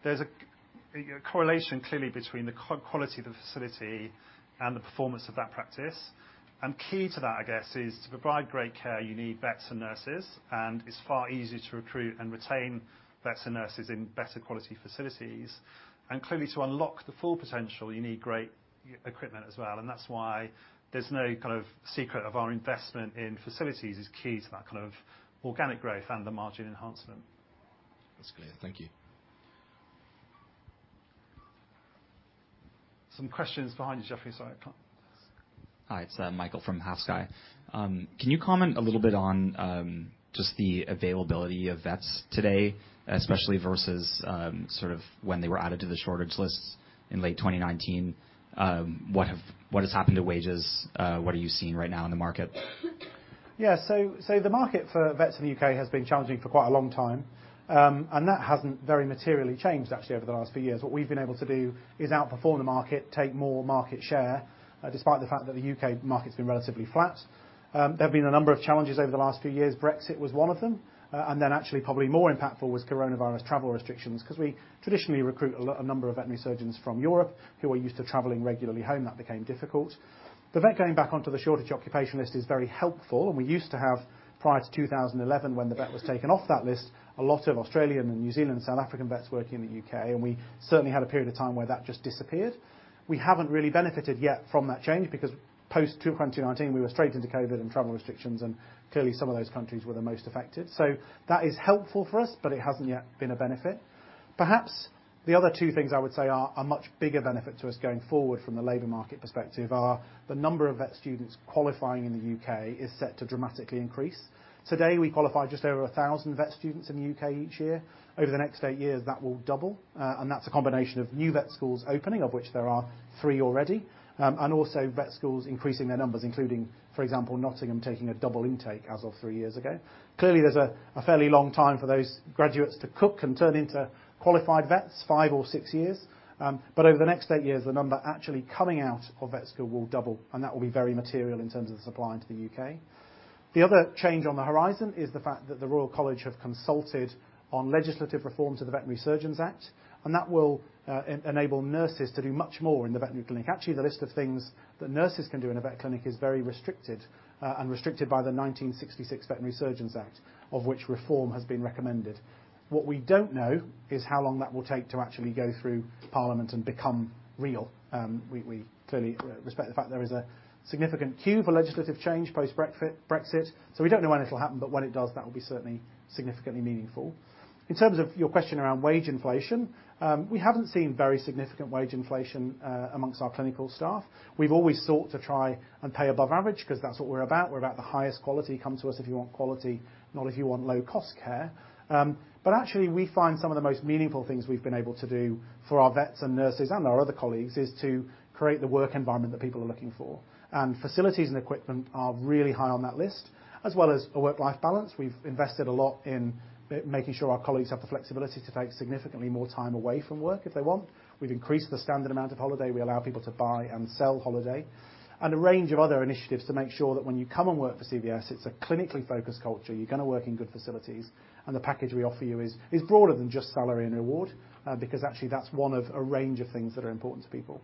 there's a correlation clearly between the quality of the facility and the performance of that practice. Key to that, I guess, is to provide great care, you need vets and nurses, and it's far easier to recruit and retain vets and nurses in better quality facilities. Clearly, to unlock the full potential, you need great equipment as well. That's why there's no kind of secret of our investment in facilities is key to that kind of organic growth and the margin enhancement. That's clear. Thank you. Some questions behind you, Jeffrey. Sorry, come up. Hi, it's Michael from Half Sky Capital. Can you comment a little bit on just the availability of vets today, especially versus sort of when they were added to the shortage lists in late 2019? What has happened to wages? What are you seeing right now in the market? The market for vets in the U.K. has been challenging for quite a long time. That hasn't very materially changed actually over the last few years. What we've been able to do is outperform the market, take more market share, despite the fact that the U.K. market's been relatively flat. There have been a number of challenges over the last few years. Brexit was one of them. Actually probably more impactful was coronavirus travel restrictions, 'cause we traditionally recruit a number of veterinary surgeons from Europe who are used to traveling regularly home. That became difficult. The vet going back onto the shortage occupation list is very helpful, and we used to have, prior to 2011, when the vet was taken off that list, a lot of Australian and New Zealand and South African vets working in the U.K., and we certainly had a period of time where that just disappeared. We haven't really benefited yet from that change because post 2019, we were straight into COVID and travel restrictions, and clearly some of those countries were the most affected. So that is helpful for us, but it hasn't yet been a benefit. Perhaps the other two things I would say are a much bigger benefit to us going forward from the labor market perspective are the number of vet students qualifying in the U.K. is set to dramatically increase. Today, we qualify just over 1,000 vet students in the U.K. each year. Over the next eight years, that will double. That's a combination of new vet schools opening, of which there are three already, and also vet schools increasing their numbers, including, for example, Nottingham taking a double intake as of three ears ago. Clearly, there's a fairly long time for those graduates to cook and turn into qualified vets, five or six years. Over the next eight years, the number actually coming out of vet school will double, and that will be very material in terms of the supply into the U.K.. The other change on the horizon is the fact that the Royal College have consulted on legislative reforms of the Veterinary Surgeons Act, and that will enable nurses to do much more in the veterinary clinic. Actually, the list of things that nurses can do in a vet clinic is very restricted and restricted by the 1966 Veterinary Surgeons Act, of which reform has been recommended. What we don't know is how long that will take to actually go through parliament and become real. We clearly respect the fact there is a significant queue for legislative change post Brexit, so we don't know when it'll happen, but when it does, that will be certainly significantly meaningful. In terms of your question around wage inflation, we haven't seen very significant wage inflation amongst our clinical staff. We've always sought to try and pay above average 'cause that's what we're about. We're about the highest quality. Come to us if you want quality, not if you want low-cost care. Actually we find some of the most meaningful things we've been able to do for our vets and nurses and our other colleagues is to create the work environment that people are looking for, and facilities and equipment are really high on that list, as well as a work-life balance. We've invested a lot in making sure our colleagues have the flexibility to take significantly more time away from work if they want. We've increased the standard amount of holiday. We allow people to buy and sell holiday. A range of other initiatives to make sure that when you come and work for CVS, it's a clinically focused culture. You're gonna work in good facilities, and the package we offer you is broader than just salary and award, because actually that's one of a range of things that are important to people.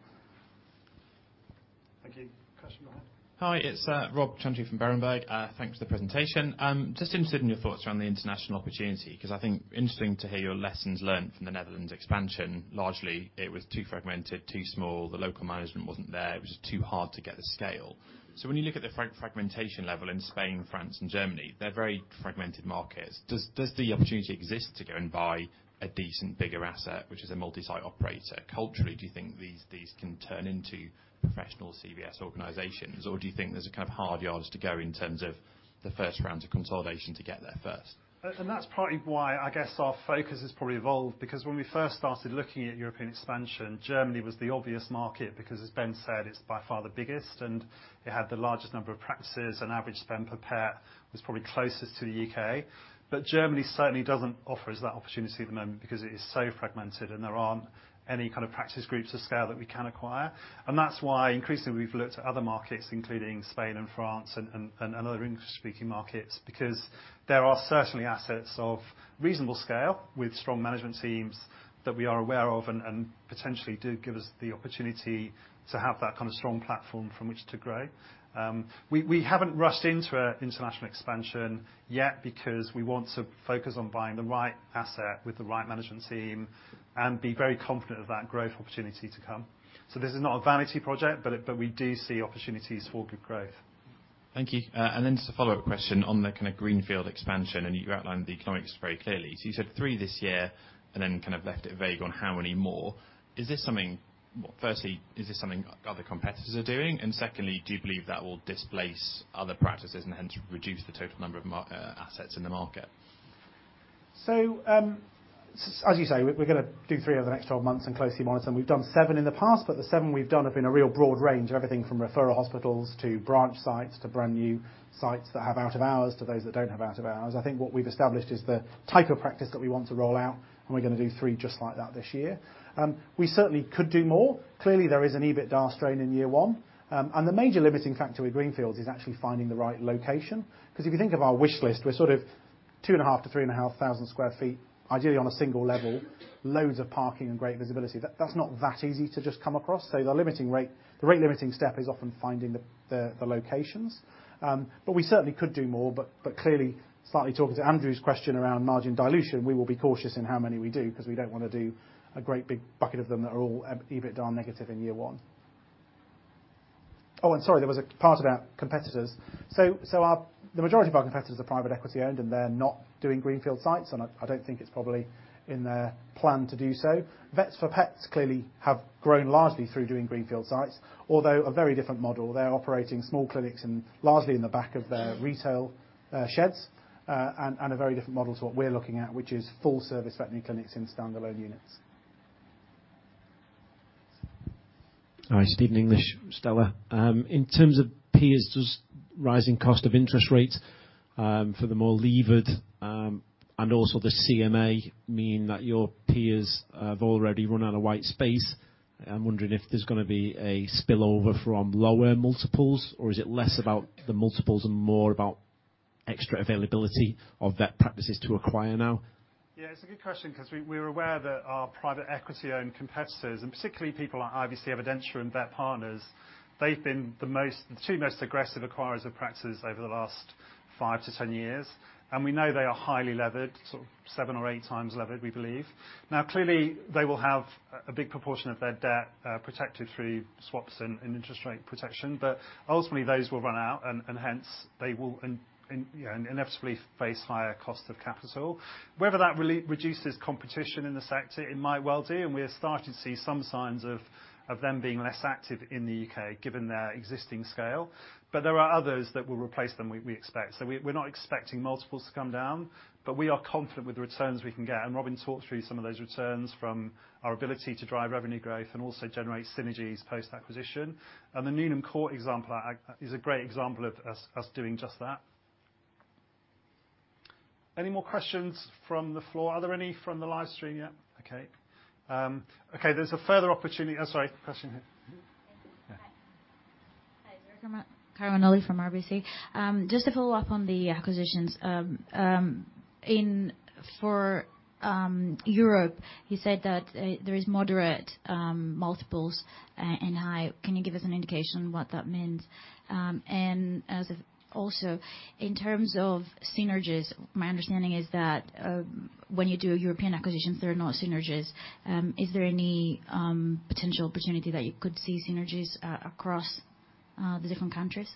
Thank you. Question at the back. Hi, it's Robert Chantry from Berenberg. Thanks for the presentation. Just interested in your thoughts around the international opportunity, 'cause I think interesting to hear your lessons learned from the Netherlands expansion. Largely it was too fragmented, too small. The local management wasn't there. It was just too hard to get the scale. So when you look at the fragmentation level in Spain, France and Germany, they're very fragmented markets. Does the opportunity exist to go and buy a decent bigger asset, which is a multi-site operator? Culturally, do you think these can turn into professional CVS organizations, or do you think there's a kind of hard yards to go in terms of the 1st round of consolidation to get there 1st? That's partly why I guess our focus has probably evolved because when we 1st started looking at European expansion, Germany was the obvious market because as Ben said, it's by far the biggest and it had the largest number of practices and average spend per pet was probably closest to the U.K.. Germany certainly doesn't offer us that opportunity at the moment because it is so fragmented and there aren't any kind of practice groups of scale that we can acquire. That's why increasingly we've looked at other markets, including Spain and France and other English-speaking markets because there are certainly assets of reasonable scale with strong management teams that we are aware of and potentially do give us the opportunity to have that kind of strong platform from which to grow. We haven't rushed into an international expansion yet because we want to focus on buying the right asset with the right management team and be very confident of that growth opportunity to come. This is not a vanity project, but we do see opportunities for good growth. Thank you. Just a follow-up question on the kinda greenfield expansion, and you outlined the economics very clearly. You said three this year and then kind of left it vague on how many more. Is this something. Well, firstly is this something other competitors are doing? Secondly do you believe that will displace other practices and hence reduce the total number of market assets in the market? As you say, we're gonna do three over the next 12 months and closely monitor them. We've done seven in the past, but the 7 we've done have been a real broad range of everything from referral hospitals to branch sites to brand-new sites that have out of hours to those that don't have out of hours. I think what we've established is the type of practice that we want to roll out, and we're gonna do 3 just like that this year. We certainly could do more. Clearly, there is an EBITDA strain in year one. The major limiting factor with greenfields is actually finding the right location. 'Cause if you think of our wish list, we're sort of 2,500-3,500 sq ft, ideally on a single level, loads of parking and great visibility. That's not that easy to just come across. The rate-limiting step is often finding the locations. We certainly could do more. Clearly, slightly talking to Andrew's question around margin dilution, we will be cautious in how many we do 'cause we don't wanna do a great big bucket of them that are all EBITDA negative in year one. Oh, and sorry, there was a part about competitors. The majority of our competitors are private equity owned, and they're not doing greenfield sites, and I don't think it's probably in their plan to do so. Vets4Pets clearly have grown largely through doing greenfield sites, although a very different model. They're operating small clinics largely in the back of their retail sheds. A very different model to what we're looking at, which is full service veterinary clinics in standalone units. All right. Stephen English, Stifel. In terms of peers, does rising cost of interest rates, for the more levered, and also the CMA mean that your peers have already run out of white space? I'm wondering if there's gonna be a spillover from lower multiples or is it less about the multiples and more about extra availability of vet practices to acquire now? Yeah, it's a good question 'cause we're aware that our private equity-owned competitors, and particularly people like IVC Evidensia and VetPartners, they've been the two most aggressive acquirers of practices over the last five to 10 years. We know they are highly levered, sort of 7 or 8x levered, we believe. Now, clearly they will have a big proportion of their debt protected through swaps and interest rate protection. Ultimately, those will run out and hence they will, you know, inevitably face higher cost of capital. Whether that really reduces competition in the sector, it might well do, and we are starting to see some signs of them being less active in the U.K., given their existing scale. There are others that will replace them, we expect. We're not expecting multiples to come down, but we are confident with the returns we can get. Robin talked through some of those returns from our ability to drive revenue growth and also generate synergies post-acquisition. The Newnham Court example is a great example of us doing just that. Any more questions from the floor? Are there any from the live stream yet? Okay. There's a further opportunity. Question here. Thank you. Hi. Yeah. Hi. Carmen Onali. RBC. Just to follow up on the acquisitions. For Europe, you said that there is moderate multiples and high. Can you give us an indication what that means? And also, in terms of synergies, my understanding is that when you do European acquisitions, there are no synergies. Is there any potential opportunity that you could see synergies across the different countries?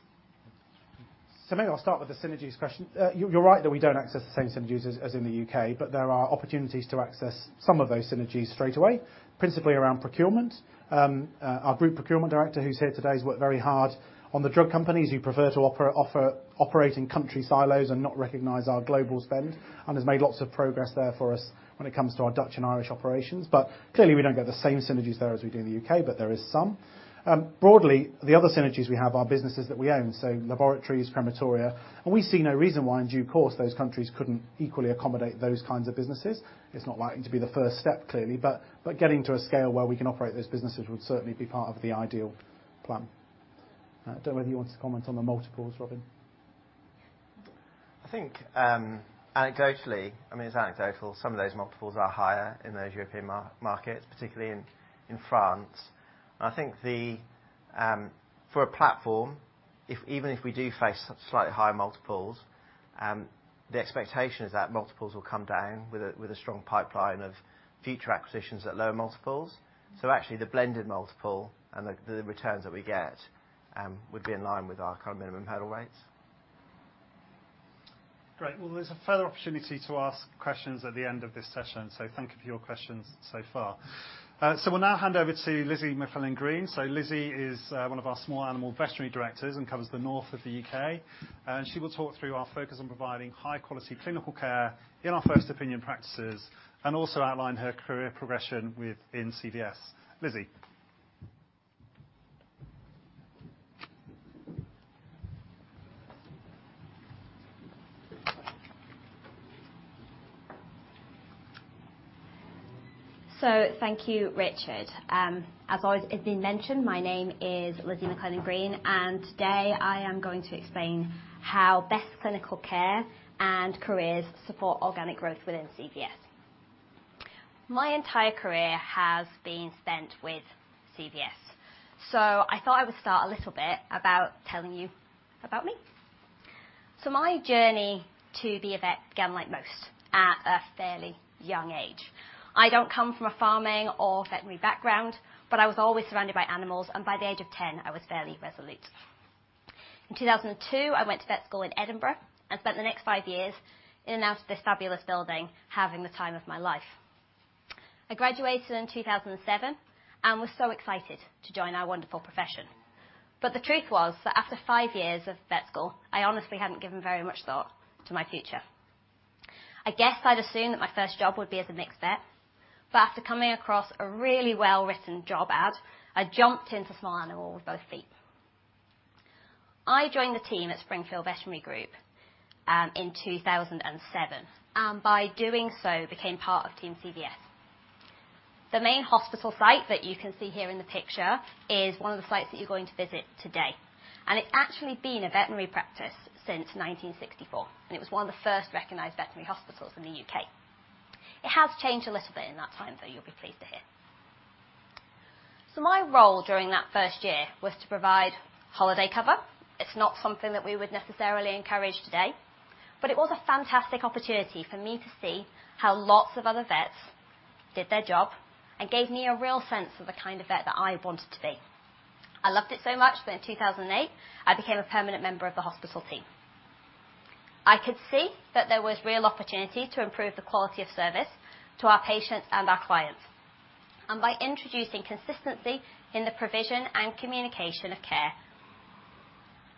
Maybe I'll start with the synergies question. You're right that we don't access the same synergies as in the U.K., but there are opportunities to access some of those synergies straightaway, principally around procurement. Our Group Procurement Director, who's here today, has worked very hard on the drug companies who prefer to offer operating country silos and not recognize our global spend and has made lots of progress there for us when it comes to our Dutch and Irish operations. But clearly, we don't get the same synergies there as we do in the U.K., but there is some. Broadly, the other synergies we have are businesses that we own, so laboratories, crematoria, and we see no reason why in due course those countries couldn't equally accommodate those kinds of businesses. It's not likely to be the 1st step, clearly, but getting to a scale where we can operate those businesses would certainly be part of the ideal plan. Don't know whether you want to comment on the multiples, Robin. I think, anecdotally, I mean, it's anecdotal, some of those multiples are higher in those European markets9, particularly in France. I think for a platform, even if we do face slightly higher multiples, the expectation is that multiples will come down with a strong pipeline of future acquisitions at lower multiples. Actually, the blended multiple and the returns that we get would be in line with our kind of minimum hurdle rates. Great. Well, there's a further opportunity to ask questions at the end of this session, so thank you for your questions so far. We'll now hand over to Lizzie McLennan-Green. Lizzie is one of our small animal veterinary directors and covers the north of the U.K., and she will talk through our focus on providing high-quality clinical care in our 1st opinion practices and also outline her career progression within CVS. Lizzie. Thank you, Richard. As always, it's been mentioned, my name is Lizzie McLennan-Green, and today I am going to explain how best clinical care and careers support organic growth within CVS. My entire career has been spent with CVS, so I thought I would start a little bit about telling you about me. My journey to be a vet began like most, at a fairly young age. I don't come from a farming or veterinary background, but I was always surrounded by animals, and by the age of 10, I was fairly resolute. In 2002, I went to vet school in Edinburgh and spent the next five years in and out of this fabulous building, having the time of my life. I graduated in 2007 and was so excited to join our wonderful profession. The truth was that after five years of vet school, I honestly hadn't given very much thought to my future. I guess I'd assumed that my 1st job would be as a mixed vet, but after coming across a really well-written job ad, I jumped into small animal with both feet. I joined the team at Springfield Veterinary Group in 2007, and by doing so, became part of Team CVS. The main hospital site that you can see here in the picture is one of the sites that you're going to visit today, and it's actually been a veterinary practice since 1964, and it was one of the 1st recognized veterinary hospitals in the U.K.. It has changed a little bit in that time, though you'll be pleased to hear. My role during that 1st year was to provide holiday cover. It's not something that we would necessarily encourage today, but it was a fantastic opportunity for me to see how lots of other vets did their job and gave me a real sense of the kind of vet that I wanted to be. I loved it so much that in 2008, I became a permanent member of the hospital team. I could see that there was real opportunity to improve the quality of service to our patients and our clients, and by introducing consistency in the provision and communication of care.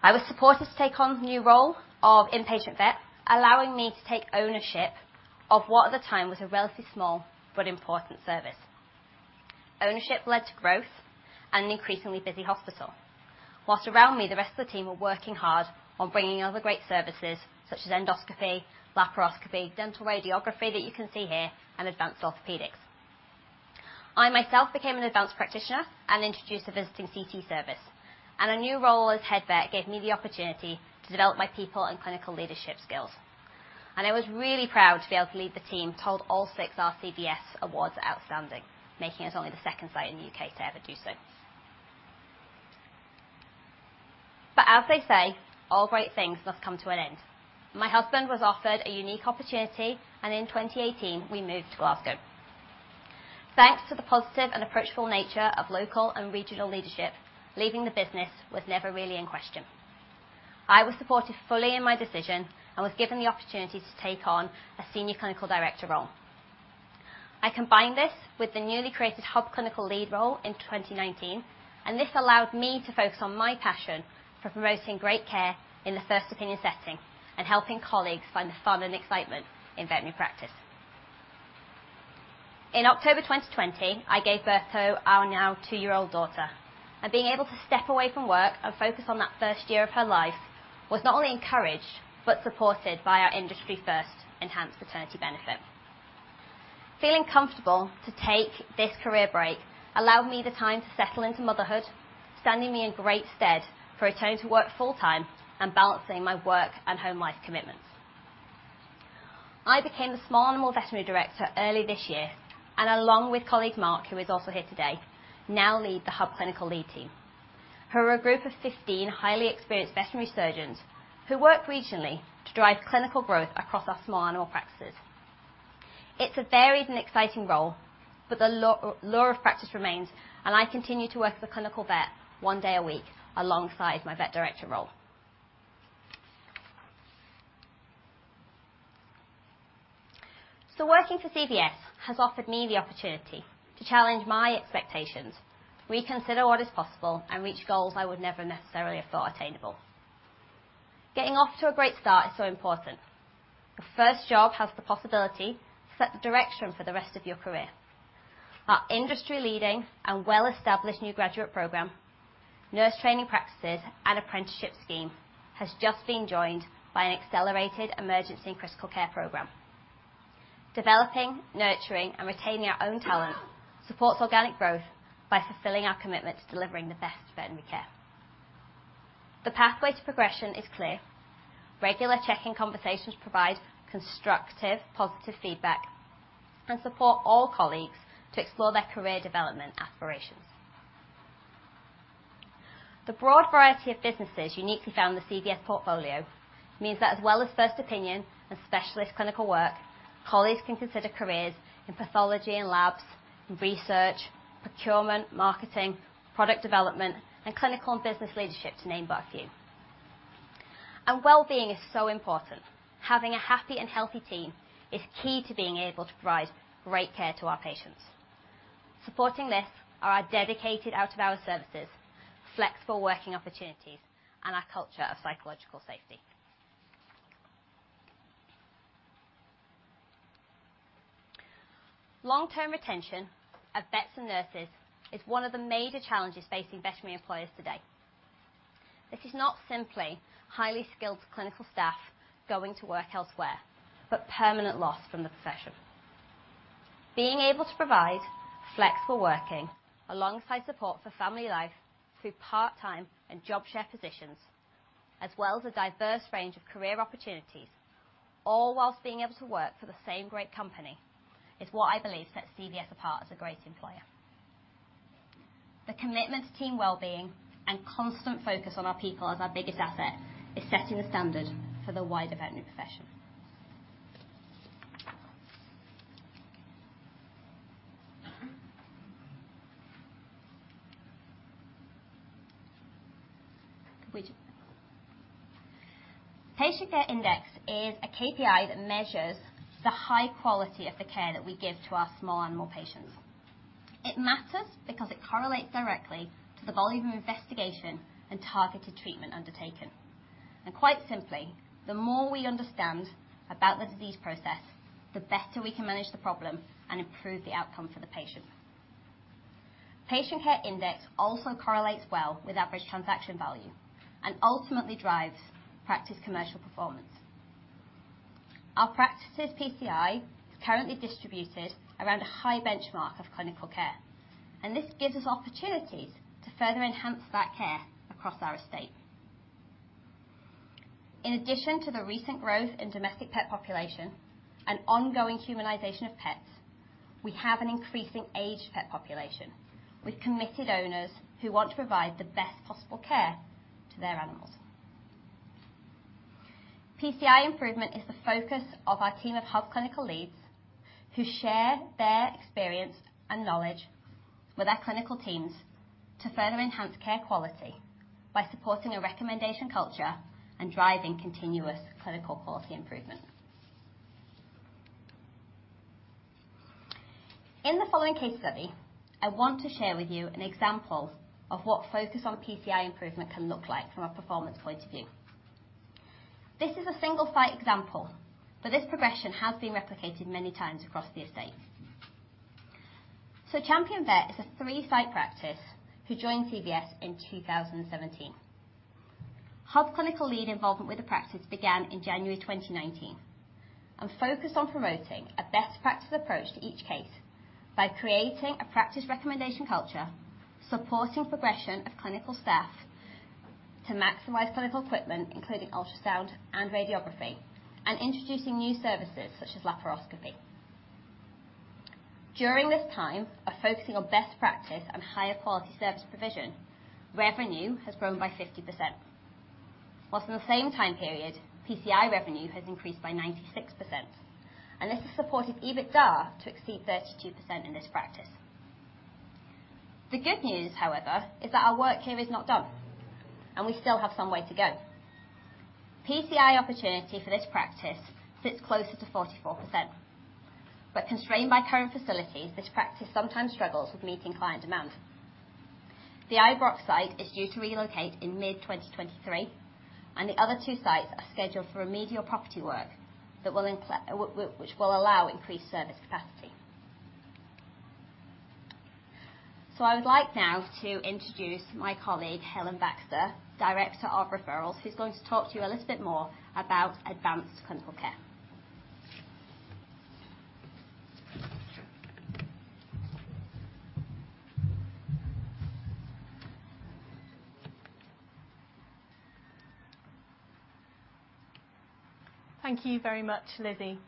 I was supported to take on the new role of in-patient vet, allowing me to take ownership of what at the time was a relatively small but important service. Ownership led to growth and an increasingly busy hospital. While around me, the rest of the team were working hard on bringing other great services such as endoscopy, laparoscopy, dental radiography that you can see here, and advanced orthopedics. I myself became an advanced practitioner and introduced a visiting CT service. A new role as head vet gave me the opportunity to develop my people and clinical leadership skills. I was really proud to be able to lead the team toward all six RCVS Awards Outstanding, making us only the 2nd site in the U.K. to ever do so. As they say, all great things must come to an end. My husband was offered a unique opportunity, and in 2018 we moved to Glasgow. Thanks to the positive and approachable nature of local and regional leadership, leaving the business was never really in question. I was supported fully in my decision and was given the opportunity to take on a senior clinical director role. I combined this with the newly created hub clinical lead role in 2019, and this allowed me to focus on my passion for promoting great care in the 1st opinion setting and helping colleagues find the fun and excitement in veterinary practice. In October 2020, I gave birth to our now 2-year-old daughter, and being able to step away from work and focus on that 1st year of her life was not only encouraged, but supported by our industry-1st enhanced paternity benefit. Feeling comfortable to take this career break allowed me the time to settle into motherhood, standing me in great stead for returning to work full-time and balancing my work and home life commitments. I became the Small Animal Veterinary Director early this year, and along with colleague Mark, who is also here today, now lead the Hub Clinical Lead team, who are a group of 15 highly experienced veterinary surgeons who work regionally to drive clinical growth across our small animal practices. It's a varied and exciting role, but the love of practice remains, and I continue to work as a clinical vet one day a week alongside my vet director role. Working for CVS has offered me the opportunity to challenge my expectations, reconsider what is possible, and reach goals I would never necessarily have thought attainable. Getting off to a great start is so important. The 1st job has the possibility to set the direction for the rest of your career. Our industry-leading and well-established new graduate program, nurse training practices, and apprenticeship scheme has just been joined by an accelerated emergency and critical care program. Developing, nurturing, and retaining our own talent supports organic growth by fulfilling our commitment to delivering the best veterinary care. The pathway to progression is clear. Regular check-in conversations provide constructive, positive feedback and support all colleagues to explore their career development aspirations. The broad variety of businesses uniquely found in the CVS portfolio means that as well as 1st opinion and specialist clinical work, colleagues can consider careers in pathology and labs, research, procurement, marketing, product development, and clinical and business leadership, to name but a few. Well-being is so important. Having a happy and healthy team is key to being able to provide great care to our patients. Supporting this are our dedicated out-of-hours services, flexible working opportunities, and our culture of psychological safety. Long-term retention of vets and nurses is one of the major challenges facing veterinary employers today. This is not simply highly skilled clinical staff going to work elsewhere, but permanent loss from the profession. Being able to provide flexible working alongside support for family life through part-time and job share positions, as well as a diverse range of career opportunities, all while being able to work for the same great company, is what I believe sets CVS apart as a great employer. The commitment to team wellbeing and constant focus on our people as our biggest asset is setting the standard for the wider veterinary profession. Patient Care Index is a KPI that measures the high quality of the care that we give to our small animal patients. It matters because it correlates directly to the volume of investigation and targeted treatment undertaken. Quite simply, the more we understand about the disease process, the better we can manage the problem and improve the outcome for the patient. Patient Care Index also correlates well with average transaction value and ultimately drives practice commercial performance. Our practices' PCI is currently distributed around a high benchmark of clinical care, and this gives us opportunities to further enhance that care across our estate. In addition to the recent growth in domestic pet population and ongoing humanization of pets, we have an increasing aged pet population with committed owners who want to provide the best possible care to their animals. PCI improvement is the focus of our team of hub clinical leads, who share their experience and knowledge with our clinical teams to further enhance care quality by supporting a recommendation culture and driving continuous clinical quality improvement. In the following case study, I want to share with you an example of what focus on PCI improvement can look like from a performance point of view. This is a single site example, but this progression has been replicated many times across the estate. Champion Vets is a three-site practice who joined CVS in 2017. Hub clinical lead involvement with the practice began in January 2019 and focused on promoting a best practice approach to each case by creating a practice recommendation culture, supporting progression of clinical staff to maximize clinical equipment, including ultrasound and radiography, and introducing new services such as laparoscopy. During this time of focusing on best practice and higher quality service provision, revenue has grown by 50%, while in the same time period, PCI revenue has increased by 96%, and this has supported EBITDA to exceed 32% in this practice. The good news, however, is that our work here is not done, and we still have some way to go. PCI opportunity for this practice sits closer to 44%, but constrained by current facilities, this practice sometimes struggles with meeting client demand. The Ibrox site is due to relocate in mid-2023, and the other two sites are scheduled for remedial property work that will allow increased service capacity. I would like now to introduce my colleague, Helen Baxter, Referrals Director, who's going to talk to you a little bit more about advanced clinical care. Thank you very much, Lizzie.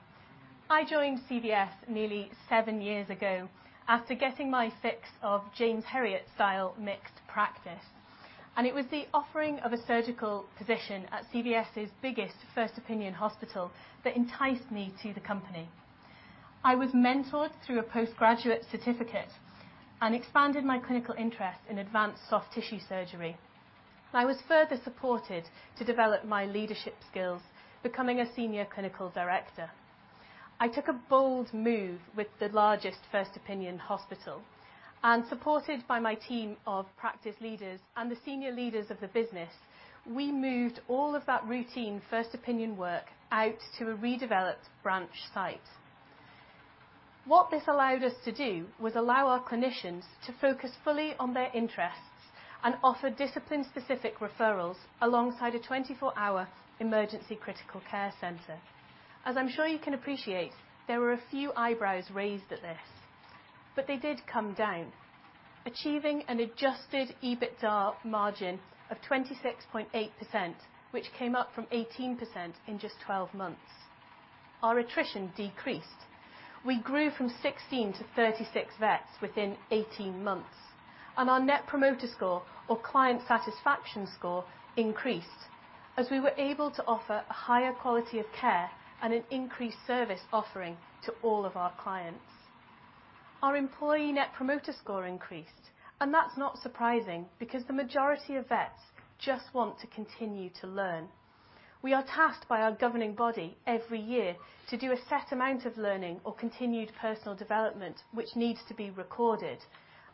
I joined CVS nearly seven years ago after getting my fix of James Herriot-style mixed practice. It was the offering of a surgical position at CVS's biggest 1st-opinion hospital that enticed me to the company. I was mentored through a postgraduate certificate and expanded my clinical interest in advanced soft tissue surgery. I was further supported to develop my leadership skills, becoming a senior clinical director. I took a bold move with the largest 1st-opinion hospital, and supported by my team of practice leaders and the senior leaders of the business, we moved all of that routine 1st-opinion work out to a redeveloped branch site. What this allowed us to do was allow our clinicians to focus fully on their interests and offer discipline-specific referrals alongside a 24-hour emergency critical care center. As I'm sure you can appreciate, there were a few eyebrows raised at this, but they did come down, achieving an adjusted EBITDA margin of 26.8%, which came up from 18% in just 12 months. Our attrition decreased. We grew from 16 to 36 vets within 18 months, and our Net Promoter Score or client satisfaction score increased as we were able to offer a higher quality of care and an increased service offering to all of our clients. Our employee Net Promoter Score increased, and that's not surprising because the majority of vets just want to continue to learn. We are tasked by our governing body every year to do a set amount of learning or continued professional development which needs to be recorded,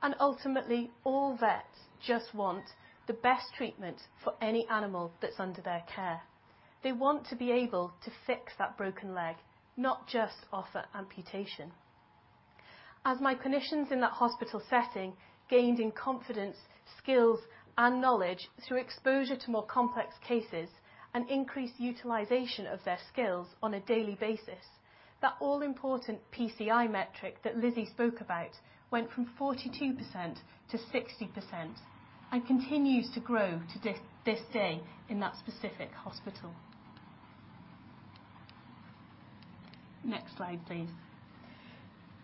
and ultimately, all vets just want the best treatment for any animal that's under their care. They want to be able to fix that broken leg, not just offer amputation. As my clinicians in that hospital setting gained in confidence, skills, and knowledge through exposure to more complex cases and increased utilization of their skills on a daily basis, that all important PCI metric that Lizzie spoke about went from 42% to 60% and continues to grow to this day in that specific hospital. Next slide,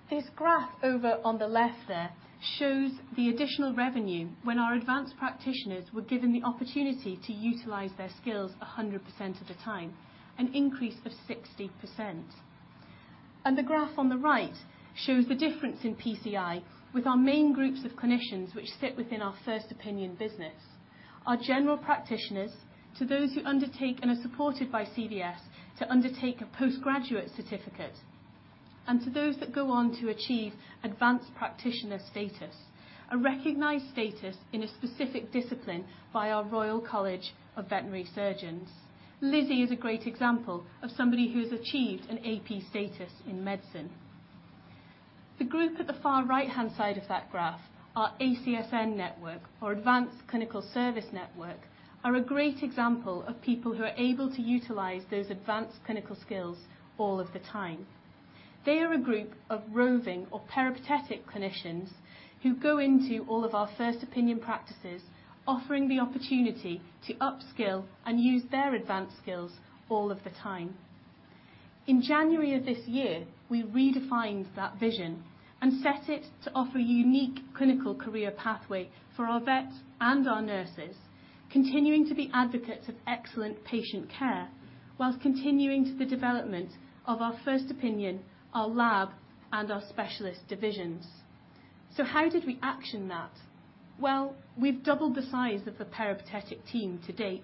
please. This graph over on the left there shows the additional revenue when our advanced practitioners were given the opportunity to utilize their skills 100% of the time, an increase of 60%. The graph on the right shows the difference in PCI with our main groups of clinicians which sit within our 1st opinion business. Our general practitioners to those who undertake and are supported by CVS to undertake a postgraduate certificate and to those that go on to achieve advanced practitioner status, a recognized status in a specific discipline by our Royal College of Veterinary Surgeons. Lizzie is a great example of somebody who's achieved an AP status in medicine. The group at the far right-hand side of that graph, our ACSN network or Advanced Clinical Service Network, are a great example of people who are able to utilize those advanced clinical skills all of the time. They are a group of roving or peripatetic clinicians who go into all of our 1st opinion practices, offering the opportunity to upskill and use their advanced skills all of the time. In January of this year, we redefined that vision and set it to offer unique clinical career pathway for our vets and our nurses, continuing to be advocates of excellent patient care while contributing to the development of our 1st-opinion, our lab, and our specialist divisions. How did we act on that? Well, we've doubled the size of the peripatetic team to date.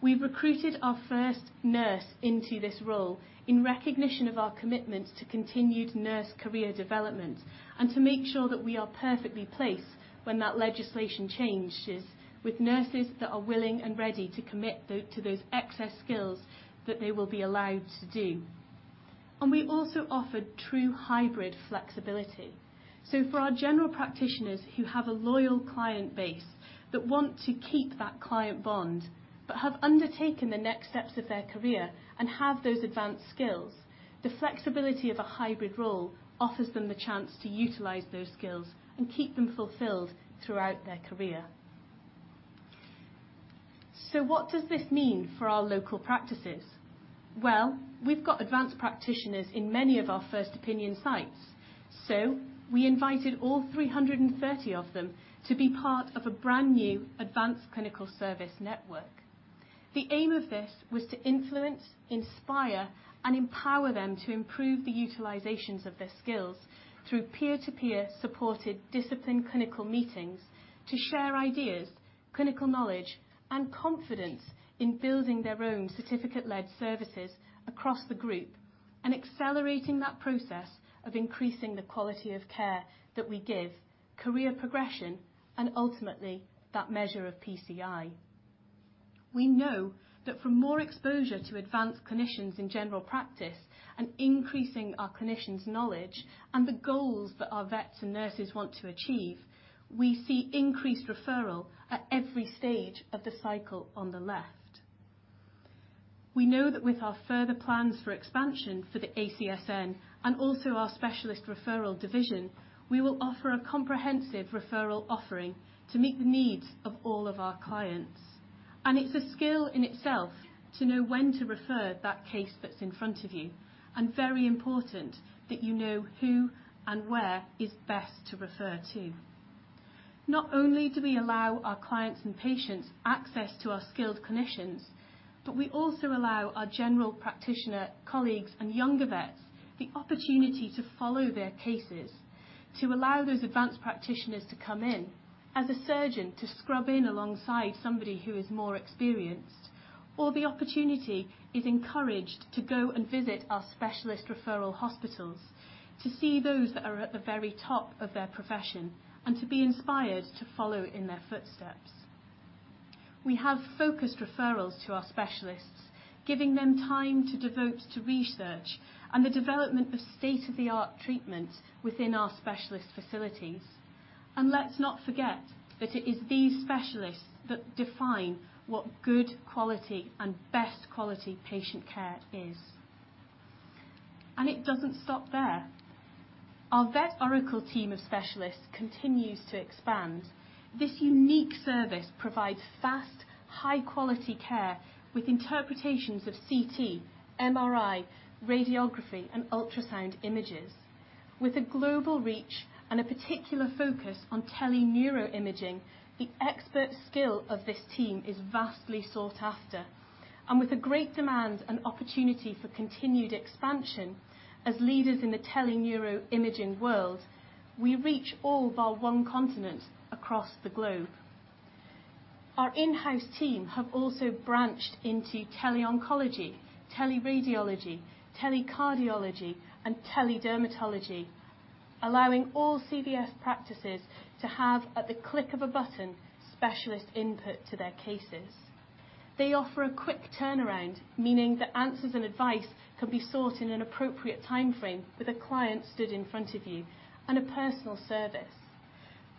We recruited our 1st nurse into this role in recognition of our commitment to continued nurse career development and to make sure that we are perfectly placed when that legislation changes with nurses that are willing and ready to commit to those advanced skills that they will be allowed to do. We also offered true hybrid flexibility. For our general practitioners who have a loyal client base that want to keep that client bond but have undertaken the next steps of their career and have those advanced skills, the flexibility of a hybrid role offers them the chance to utilize those skills and keep them fulfilled throughout their career. What does this mean for our local practices? Well, we've got advanced practitioners in many of our 1st-opinion sites, so we invited all 330 of them to be part of a brand new Advanced Clinical Service Network. The aim of this was to influence, inspire, and empower them to improve the utilizations of their skills through peer-to-peer supported discipline clinical meetings to share ideas, clinical knowledge, and confidence in building their own certificate-led services across the group. Accelerating that process of increasing the quality of care that we give, career progression, and ultimately, that measure of PCI. We know that from more exposure to advanced clinicians in general practice and increasing our clinicians' knowledge and the goals that our vets and nurses want to achieve, we see increased referral at every stage of the cycle on the left. We know that with our further plans for expansion for the ACSN and also our specialist referral division, we will offer a comprehensive referral offering to meet the needs of all of our clients. It's a skill in itself to know when to refer that case that's in front of you, and very important that you know who and where is best to refer to. Not only do we allow our clients and patients access to our skilled clinicians, but we also allow our general practitioner colleagues and younger vets the opportunity to follow their cases, to allow those advanced practitioners to come in as a surgeon to scrub in alongside somebody who is more experienced, or the opportunity is encouraged to go and visit our specialist referral hospitals to see those that are at the very top of their profession and to be inspired to follow in their footsteps. We have focused referrals to our specialists, giving them time to devote to research and the development of state-of-the-art treatment within our specialist facilities. Let's not forget that it is these specialists that define what good quality and best quality patient care is. It doesn't stop there. Our Vet Oracle team of specialists continues to expand. This unique service provides fast, high-quality care with interpretations of CT, MRI, radiography, and ultrasound images. With a global reach and a particular focus on teleneuro imaging, the expert skill of this team is vastly sought after. With a great demand and opportunity for continued expansion as leaders in the teleneuro imaging world, we reach all but one continent across the globe. Our in-house team have also branched into teleoncology, teleradiology, telecardiology, and teledermatology, allowing all CVS practices to have, at the click of a button, specialist input to their cases. They offer a quick turnaround, meaning that answers and advice can be sought in an appropriate timeframe with a client stood in front of you and a personal service.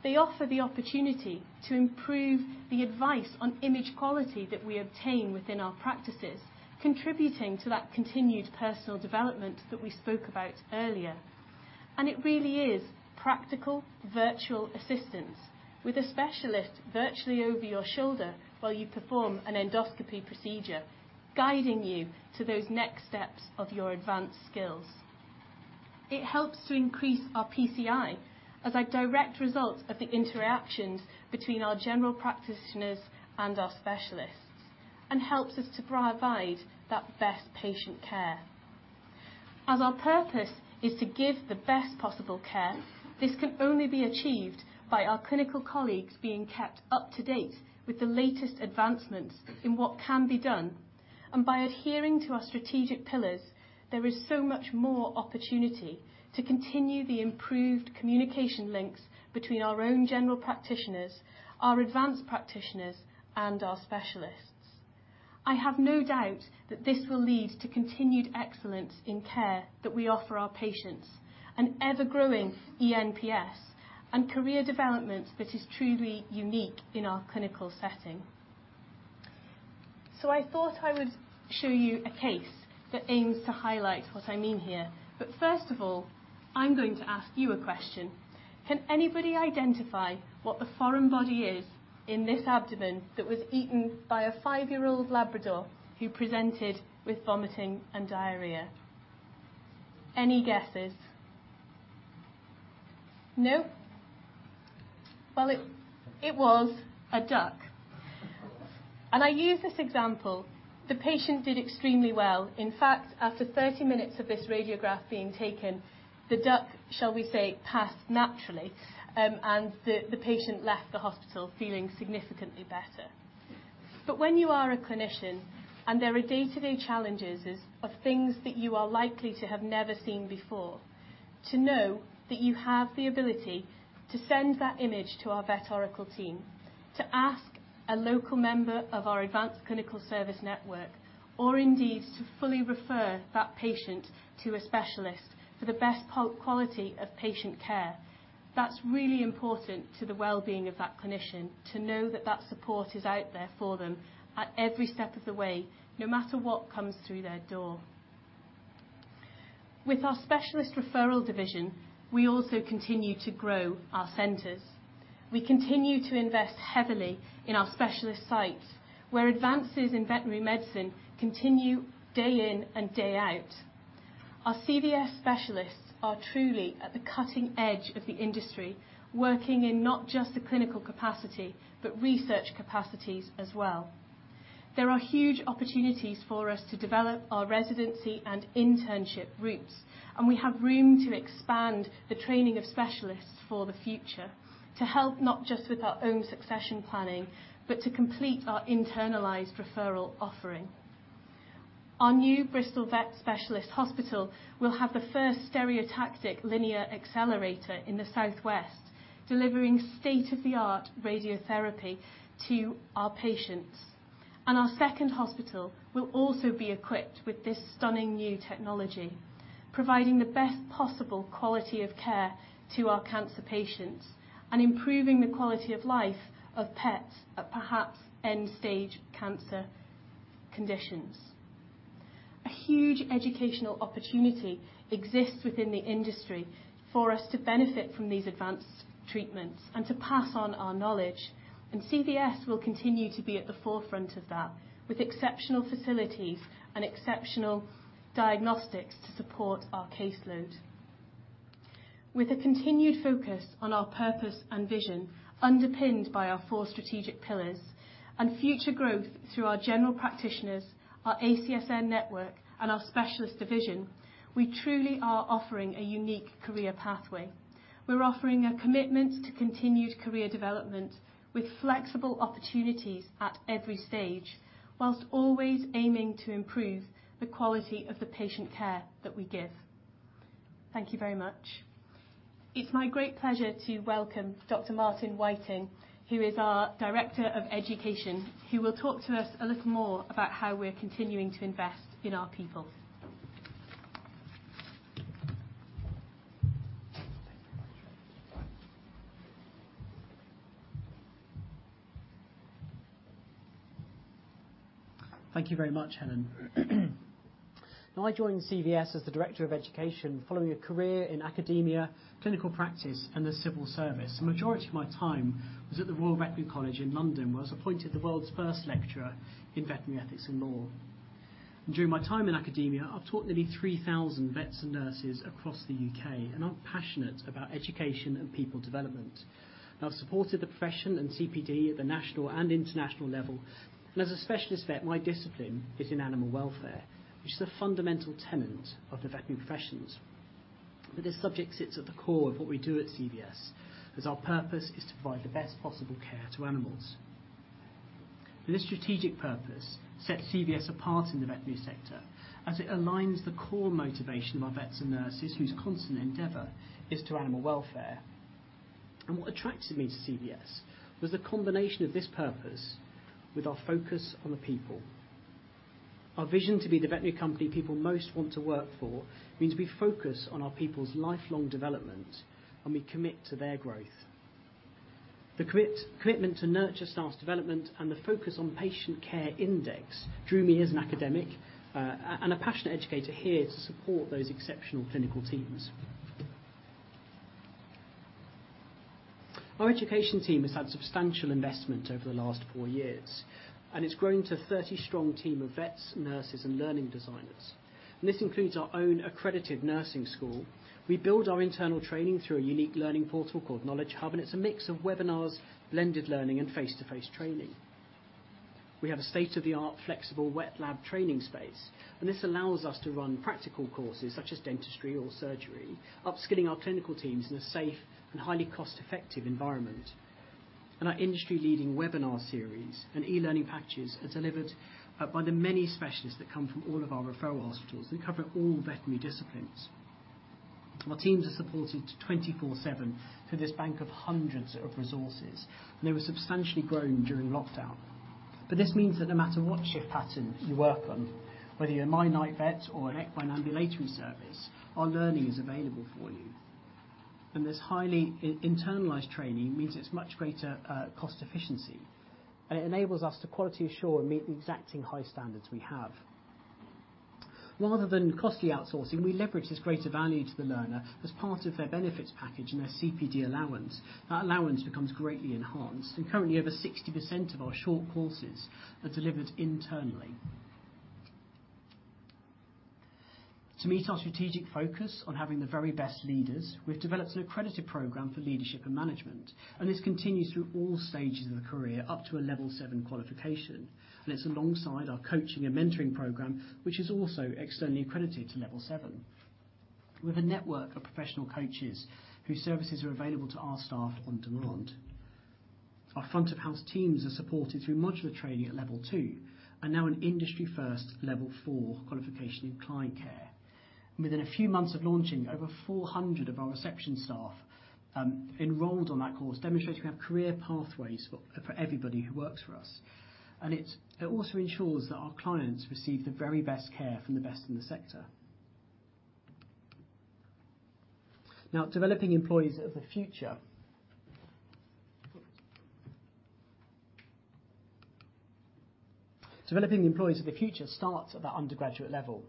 They offer the opportunity to improve the advice on image quality that we obtain within our practices, contributing to that continued personal development that we spoke about earlier. It really is practical virtual assistance with a specialist virtually over your shoulder while you perform an endoscopy procedure, guiding you to those next steps of your advanced skills. It helps to increase our PCI as a direct result of the interactions between our general practitioners and our specialists and helps us to provide that best patient care. As our purpose is to give the best possible care, this can only be achieved by our clinical colleagues being kept up to date with the latest advancements in what can be done. By adhering to our strategic pillars, there is so much more opportunity to continue the improved communication links between our own general practitioners, our advanced practitioners, and our specialists. I have no doubt that this will lead to continued excellence in care that we offer our patients, an ever-growing eNPS, and career development that is truly unique in our clinical setting. I thought I would show you a case that aims to highlight what I mean here. 1st of all, I'm going to ask you a question. Can anybody identify what the foreign body is in this abdomen that was eaten by a five-year-old Labrador who presented with vomiting and diarrhea? Any guesses? No? Well, it was a duck. I use this example. The patient did extremely well. In fact, after 30 minutes of this radiograph being taken, the duck, shall we say, passed naturally, and the patient left the hospital feeling significantly better. When you are a clinician and there are day-to-day challenges of things that you are likely to have never seen before, to know that you have the ability to send that image to our Vet Oracle team, to ask a local member of our Advanced Clinical Service Network, or indeed to fully refer that patient to a specialist for the best quality of patient care, that's really important to the well-being of that clinician, to know that that support is out there for them at every step of the way, no matter what comes through their door. With our specialist referral division, we also continue to grow our centers. We continue to invest heavily in our specialist sites, where advances in veterinary medicine continue day in and day out. Our CVS specialists are truly at the clutting edge of the industry, working in not just the clinical capacity but research capacities as well. There are huge opportunities for us to develop our residency and internship routes, and we have room to expand the training of specialists for the future to help not just with our own succession planning, but to complete our internalized referral offering. Our new Bristol Vet Specialists hospital will have the 1st stereotactic linear accelerator in the southwest, delivering state-of-the-art radiotherapy to our patients. Our 2nd hospital will also be equipped with this stunning new technology, providing the best possible quality of care to our cancer patients and improving the quality of life of pets at perhaps end stage cancer conditions. A huge educational opportunity exists within the industry for us to benefit from these advanced treatments and to pass on our knowledge, and CVS will continue to be at the forefront of that with exceptional facilities and exceptional diagnostics to support our caseload. With a continued focus on our purpose and vision, underpinned by our four strategic pillars and future growth through our general practitioners, our ACSN network, and our specialist division, we truly are offering a unique career pathway. We're offering a commitment to continued career development with flexible opportunities at every stage, whilst always aiming to improve the quality of the patient care that we give. Thank you very much. It's my great pleasure to welcome Dr. Martin Whiting, who is our Director of Education, who will talk to us a little more about how we're continuing to invest in our people. Thank you very much. Right. Thank you very much, Helen. Now, I joined CVS as the Director of Education following a career in academia, clinical practice, and the civil service. Majority of my time was at the Royal Veterinary College in London, where I was appointed the world's 1st lecturer in veterinary ethics and law. During my time in academia, I've taught nearly 3,000 vets and nurses across the U.K., and I'm passionate about education and people development. I've supported the profession and CPD at the national and international level, and as a specialist vet, my discipline is in animal welfare, which is a fundamental tenet of the veterinary professions. This subject sits at the core of what we do at CVS, as our purpose is to provide the best possible care to animals. This strategic purpose sets CVS apart in the veterinary sector as it aligns the core motivation of our vets and nurses, whose constant endeavor is to animal welfare. What attracted me to CVS was the combination of this purpose with our focus on the people. Our vision to be the veterinary company people most want to work for means we focus on our people's lifelong development, and we commit to their growth. The commitment to nurture staff's development and the focus on Patient Care Index drew me as an academic, and a passionate educator here to support those exceptional clinical teams. Our education team has had substantial investment over the last 4 years, and it's grown to 30 strong team of vets, nurses, and learning designers. This includes our own accredited nursing school. We build our internal training through a unique learning portal called Knowledge Hub, and it's a mix of webinars, blended learning, and face-to-face training. We have a state-of-the-art flexible wet lab training space, and this allows us to run practical courses such as dentistry or surgery, upskilling our clinical teams in a safe and highly cost-effective environment. Our industry-leading webinar series and e-learning packages are delivered by the many specialists that come from all of our referral hospitals and cover all veterinary disciplines. Our teams are supported 24/7 through this bank of hundreds of resources, and they were substantially grown during lockdown. This means that no matter what shift pattern you work on, whether you're a night vet or an equine ambulatory service, our learning is available for you. This highly in-internalized training means it's much greater cost efficiency, and it enables us to quality assure and meet the exacting high standards we have. Rather than costly outsourcing, we leverage this greater value to the learner as part of their benefits package and their CPD allowance. That allowance becomes greatly enhanced, and currently over 60% of our short courses are delivered internally. To meet our strategic focus on having the very best leaders, we've developed an accredited program for leadership and management, and this continues through all stages of the career up to a level seven qualification. It's alongside our coaching and mentoring program, which is also externally accredited to level seven. With a network of professional coaches whose services are available to our staff on demand. Our front of house teams are supported through modular training at level 2 and now an industry-1st level four qualification in client care. Within a few months of launching, over 400 of our reception staff enrolled on that course, demonstrating we have career pathways for everybody who works for us. It also ensures that our clients receive the very best care from the best in the sector. Now, developing employees of the future starts at the undergraduate level,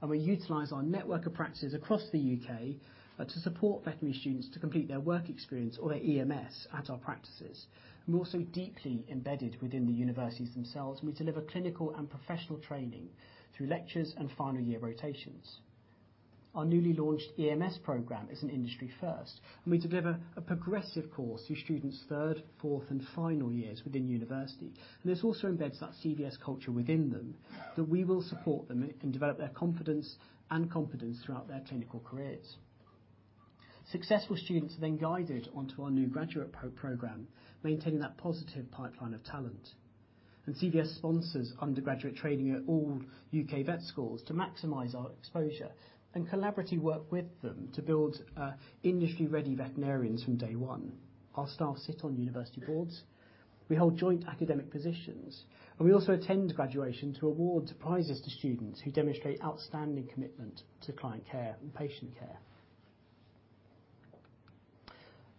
and we utilize our network of practices across the U.K. to support veterinary students to complete their work experience or their EMS at our practices. We're also deeply embedded within the universities themselves, and we deliver clinical and professional training through lectures and final year rotations. Our newly launched EMS program is an industry 1st, and we deliver a progressive course through students' 3rd, 4th, and final years within university. This also embeds that CVS culture within them, that we will support them and can develop their confidence and competence throughout their clinical careers. Successful students are then guided onto our new graduate program, maintaining that positive pipeline of talent. CVS sponsors undergraduate training at all U.K. vet schools to maximize our exposure and collaboratively work with them to build industry-ready veterinarians from day one. Our staff sit on university boards, we hold joint academic positions, and we also attend graduation to award prizes to students who demonstrate outstanding commitment to client care and patient care.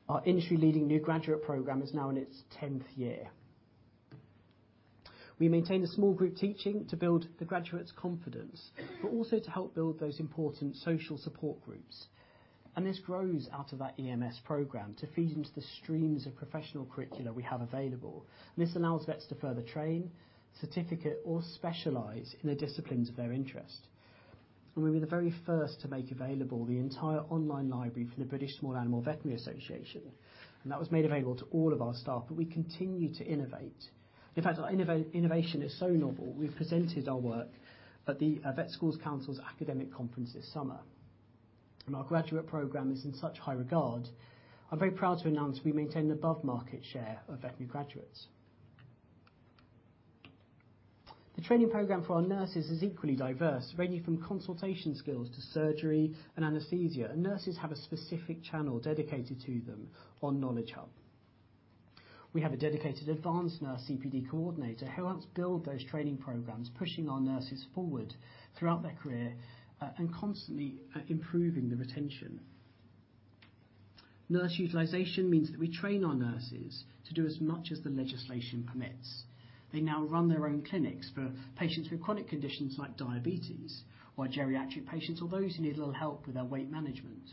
Our industry-leading new graduate program is now in its 10th year. We maintain a small group teaching to build the graduates' confidence, but also to help build those important social support groups. This grows out of that EMS program to feed into the streams of professional curricula we have available. This allows vets to further train, certificate, or specialize in the disciplines of their interest. We were the very 1st to make available the entire online library for the British Small Animal Veterinary Association, and that was made available to all of our staff. We continue to innovate. In fact, our innovation is so novel, we've presented our work at the Veterinary Schools Council's academic conference this summer. Our graduate program is in such high regard, I'm very proud to announce we maintain above market share of veterinary graduates. The training program for our nurses is equally diverse, ranging from consultation skills to surgery and anesthesia. Nurses have a specific channel dedicated to them on Knowledge Hub. We have a dedicated advanced nurse CPD coordinator who helps build those training programs, pushing our nurses forward throughout their career, and constantly improving the retention. Nurse utilization means that we train our nurses to do as much as the legislation permits. They now run their own clinics for patients with chronic conditions like diabetes or geriatric patients, or those who need a little help with their weight management.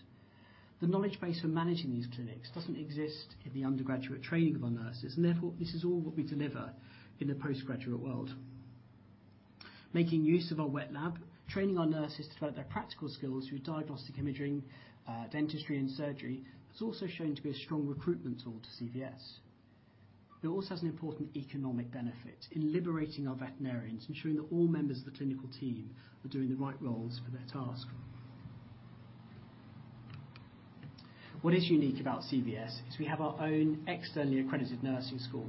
The knowledge base for managing these clinics doesn't exist in the undergraduate training of our nurses, and therefore, this is all what we deliver in the postgraduate world. Making use of our wet lab, training our nurses to develop their practical skills through diagnostic imaging, dentistry, and surgery has also shown to be a strong recruitment tool to CVS. It also has an important economic benefit in liberating our veterinarians, ensuring that all members of the clinical team are doing the right roles for their task. What is unique about CVS is we have our own externally accredited nursing school,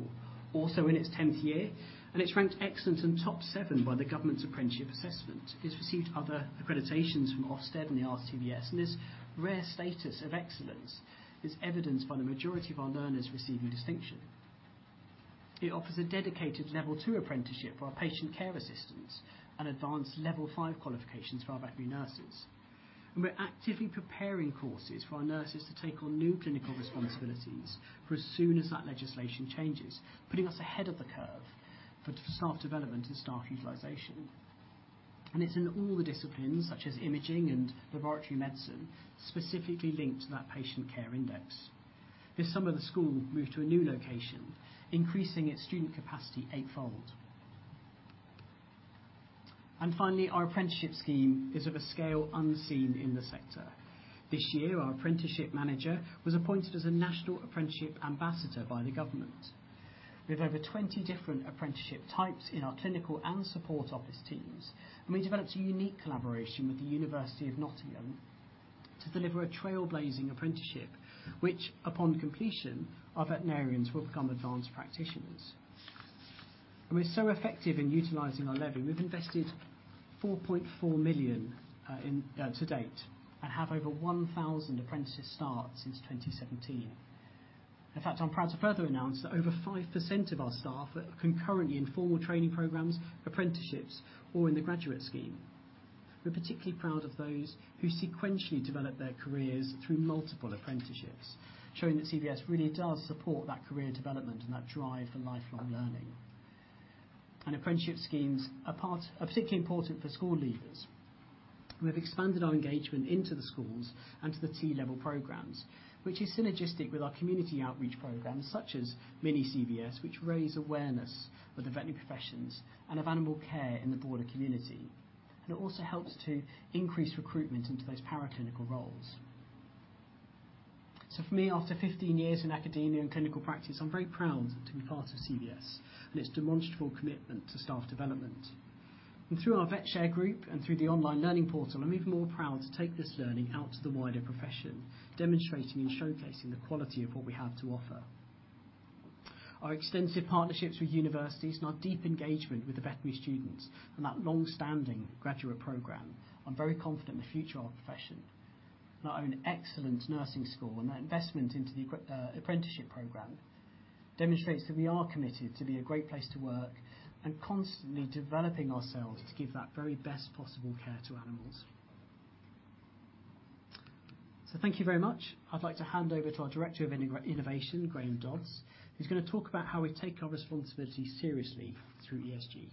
also in its tenth year, and it's ranked excellent and top 7 by the government's apprenticeship assessment. It's received other accreditations from Ofsted and the RCVS, and this rare status of excellence is evidenced by the majority of our learners receiving distinction. It offers a dedicated level 2 apprenticeship for our patient care assistants and advanced level 5 qualifications for our veterinary nurses. We're actively preparing courses for our nurses to take on new clinical responsibilities for as soon as that legislation changes, putting us ahead of the curve for staff development and staff utilization. It's in all the disciplines such as imaging and laboratory medicine, specifically linked to that Patient Care Index. This summer, the school moved to a new location, increasing its student capacity eightfold. Finally, our apprenticeship scheme is of a scale unseen in the sector. This year, our apprenticeship manager was appointed as a national apprenticeship ambassador by the government. We have over 20 different apprenticeship types in our clinical and support office teams, and we developed a unique collaboration with the University of Nottingham to deliver a trailblazing apprenticeship, which upon completion, our veterinarians will become advanced practitioners. We're so effective in utilizing our levy, we've invested 4.4 million into date and have over 1,000 apprentices start since 2017. In fact, I'm proud to further announce that over 5% of our staff are concurrently in formal training programs, apprenticeships, or in the graduate scheme. We're particularly proud of those who sequentially develop their careers through multiple apprenticeships, showing that CVS really does support that career development and that drive for lifelong learning. Apprenticeship schemes are particularly important for school leavers. We've expanded our engagement into the schools and to the T Level programs, which is synergistic with our community outreach programs such as Mini CVS, which raise awareness of the veterinary professions and of animal care in the broader community. It also helps to increase recruitment into those paraclinical roles. For me, after 15 years in academia and clinical practice, I'm very proud to be part of CVS and its demonstrable commitment to staff development. Through our VetShare group and through the online learning portal, I'm even more proud to take this learning out to the wider profession, demonstrating and showcasing the quality of what we have to offer. Our extensive partnerships with universities and our deep engagement with the veterinary students and that long-standing graduate program, I'm very confident in the future of our profession. Our own excellent nursing school and our investment into the apprenticeship program demonstrates that we are committed to be a great place to work and constantly developing ourselves to give that very best possible care to animals. Thank you very much. I'd like to hand over to our Director of Innovation, Graham Dodds, who's gonna talk about how we take our responsibility seriously through ESG.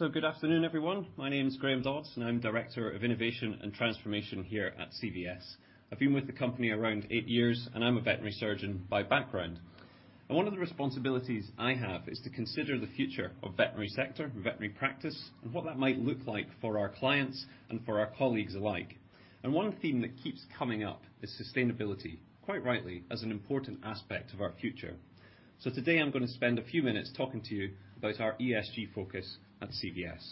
Good afternoon, everyone. My name is Graham Dodds, and I'm Director of Innovation and Transformation here at CVS. I've been with the company around eight years, and I'm a veterinary surgeon by background. One of the responsibilities I have is to consider the future of veterinary sector and veterinary practice and what that might look like for our clients and for our colleagues alike. One theme that keeps coming up is sustainability, quite rightly, as an important aspect of our future. Today I'm gonna spend a few minutes talking to you about our ESG focus at CVS.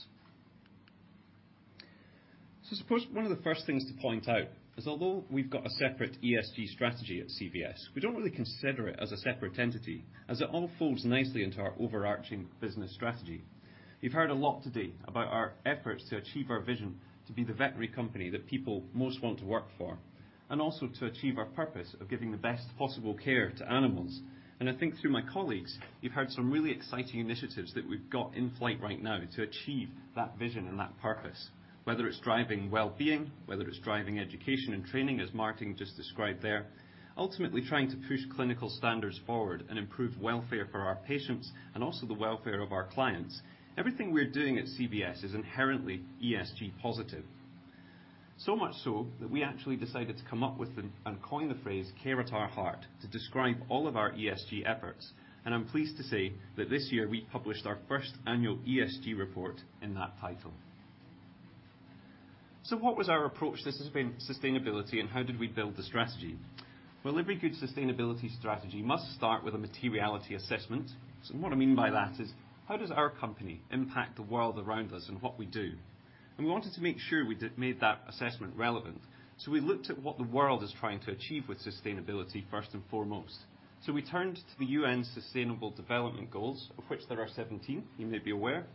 I suppose one of the 1st things to point out is, although we've got a separate ESG strategy at CVS, we don't really consider it as a separate entity, as it all folds nicely into our overarching business strategy. You've heard a lot today about our efforts to achieve our vision to be the veterinary company that people most want to work for, and also to achieve our purpose of giving the best possible care to animals. I think through my colleagues, you've heard some really exciting initiatives that we've got in flight right now to achieve that vision and that purpose. Whether it's driving well-being, whether it's driving education and training, as Martin just described there, ultimately trying to push clinical standards forward and improve welfare for our patients and also the welfare of our clients. Everything we're doing at CVS is inherently ESG positive. So much so that we actually decided to come up with and coin the phrase "Care At Our Heart" to describe all of our ESG efforts. I'm pleased to say that this year we published our 1st annual ESG report in that title. What was our approach to sustainability and how did we build the strategy? Well, every good sustainability strategy must start with a materiality assessment. What I mean by that is how does our company impact the world around us and what we do? We wanted to make sure we made that assessment relevant. We looked at what the world is trying to achieve with sustainability 1st and foremost. We turned to the UN Sustainable Development Goals, of which there are 17, you may be aware.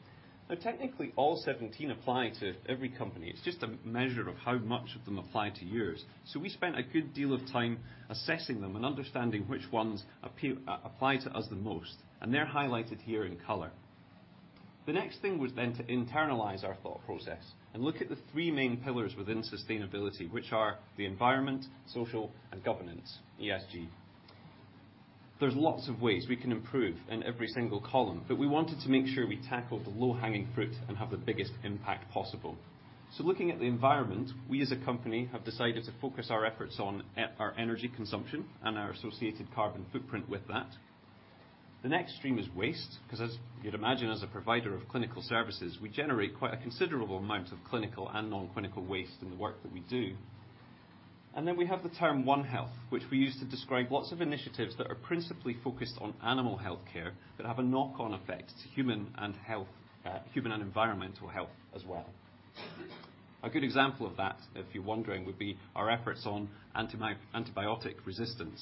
Now technically all 17 apply to every company. It's just a measure of how much of them apply to yours. We spent a good deal of time assessing them and understanding which ones apply to us the most, and they're highlighted here in color. The next thing was then to internalize our thought process and look at the three main pillars within sustainability, which are the environment, social and governance, ESG. There's lots of ways we can improve in every single column, but we wanted to make sre we tackled the low-hanging fruit and have the biggest impact possible. Looking at the environment, we as a company have decided to focus our efforts on our energy consumption and our associated carbon footprint with that. The next stream is waste 'cause as you'd imagine, as a provider of clinical services, we generate quite a considerable amount of clinical and non-clinical waste in the work that we do. We have the term One Health, which we use to describe lots of initiatives that are principally focused on animal healthcare, that have a knock-on effect to human and environmental health as well. A good example of that, if you're wondering, would be our efforts on antibiotic resistance.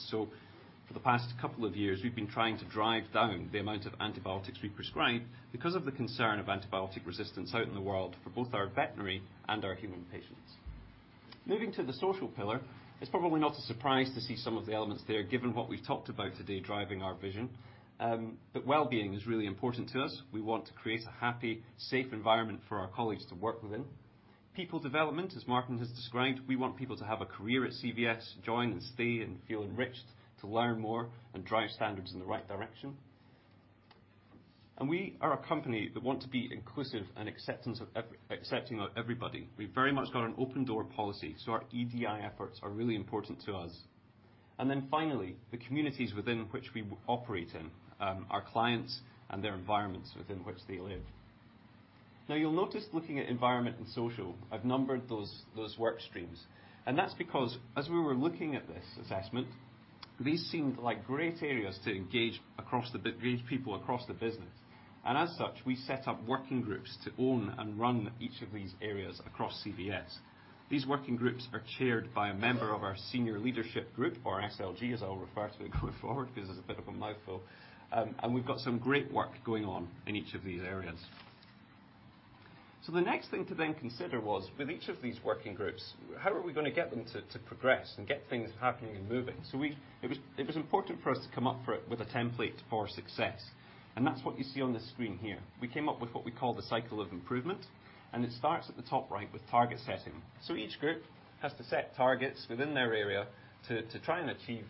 For the past couple of years, we've been trying to drive down the amount of antibiotics we prescribe because of the concern of antibiotic resistance out in the world for both our veterinary and our human patients. Moving to the social pillar, it's probably not a surprise to see some of the elements there, given what we've talked about today driving our vision, but well-being is really important to us. We want to create a happy, safe environment for our colleagues to work within. People development, as Martin has described, we want people to have a career at CVS, join and stay and feel enriched, to learn more and drive standards in the right direction. We are a company that want to be inclusive and accepting of everybody. We've very much got an open door policy, so our EDI efforts are really important to us. Then finally, the communities within which we operate in, our clients and their environments within which they live. Now, you'll notice looking at environment and social, I've numbered those work streams, and that's because as we were looking at this assessment, these seemed like great areas to engage across the business. As such, we set up working groups to own and run each of these areas across CVS. These working groups are chaired by a member of our senior leadership group or SLG as I'll refer to it going forward, because it's a bit of a mouthful. We've got some great work going on in each of these areas. The next thing to then consider was with each of these working groups, how are we gonna get them to progress and get things happening and moving? It was important for us to come up with it with a template for success, and that's what you see on the screen here. We came up with what we call the cycle of improvement, and it starts at the top right with target setting. Each group has to set targets within their area to try and achieve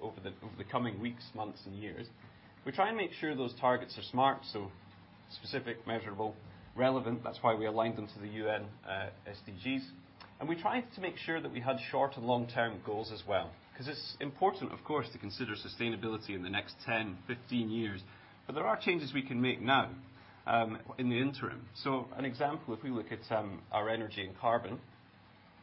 over the coming weeks, months and years. We try and make sure those targets are smart, so specific, measurable, relevant. That's why we aligned them to the UN, SDGs. We tried to make sure that we had short and long-term goals as well, 'cause it's important, of course, to consider sustainability in the next 10, 15 years. There are changes we can make now, in the interim. An example, if we look at, our energy and carbon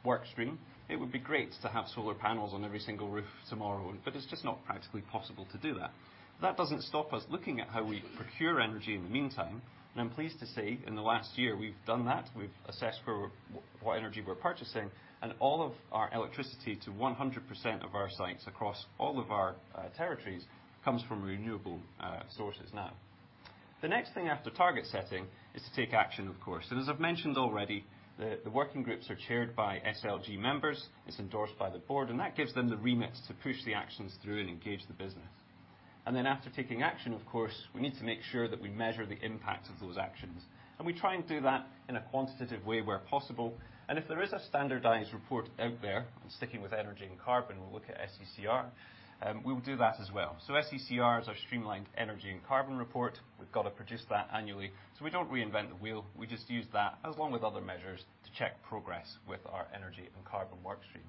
work stream, it would be great to have solar panels on every single roof tomorrow, but it's just not practically possible to do that. That doesn't stop us looking at how we procure energy in the meantime, and I'm pleased to say in the last year, we've done that. We've assessed where... What energy we're purchasing and all of our electricity to 100% of our sites across all of our territories comes from renewable sources now. The next thing after target setting is to take action, of course. As I've mentioned already, the working groups are chaired by SLG members. It's endorsed by the board, and that gives them the remit to push the actions through and engage the business. After taking action, of course, we need to make sure that we measure the impact of those actions, and we try and do that in a quantitative way where possible. If there is a standardized report out there, I'm sticking with energy and carbon, we'll look at SECR, we will do that as well. SECR is our streamlined energy and carbon report. We've got to produce that annually. We don't reinvent the wheel. We just use that as well with other measures to check progress with our energy and carbon work stream.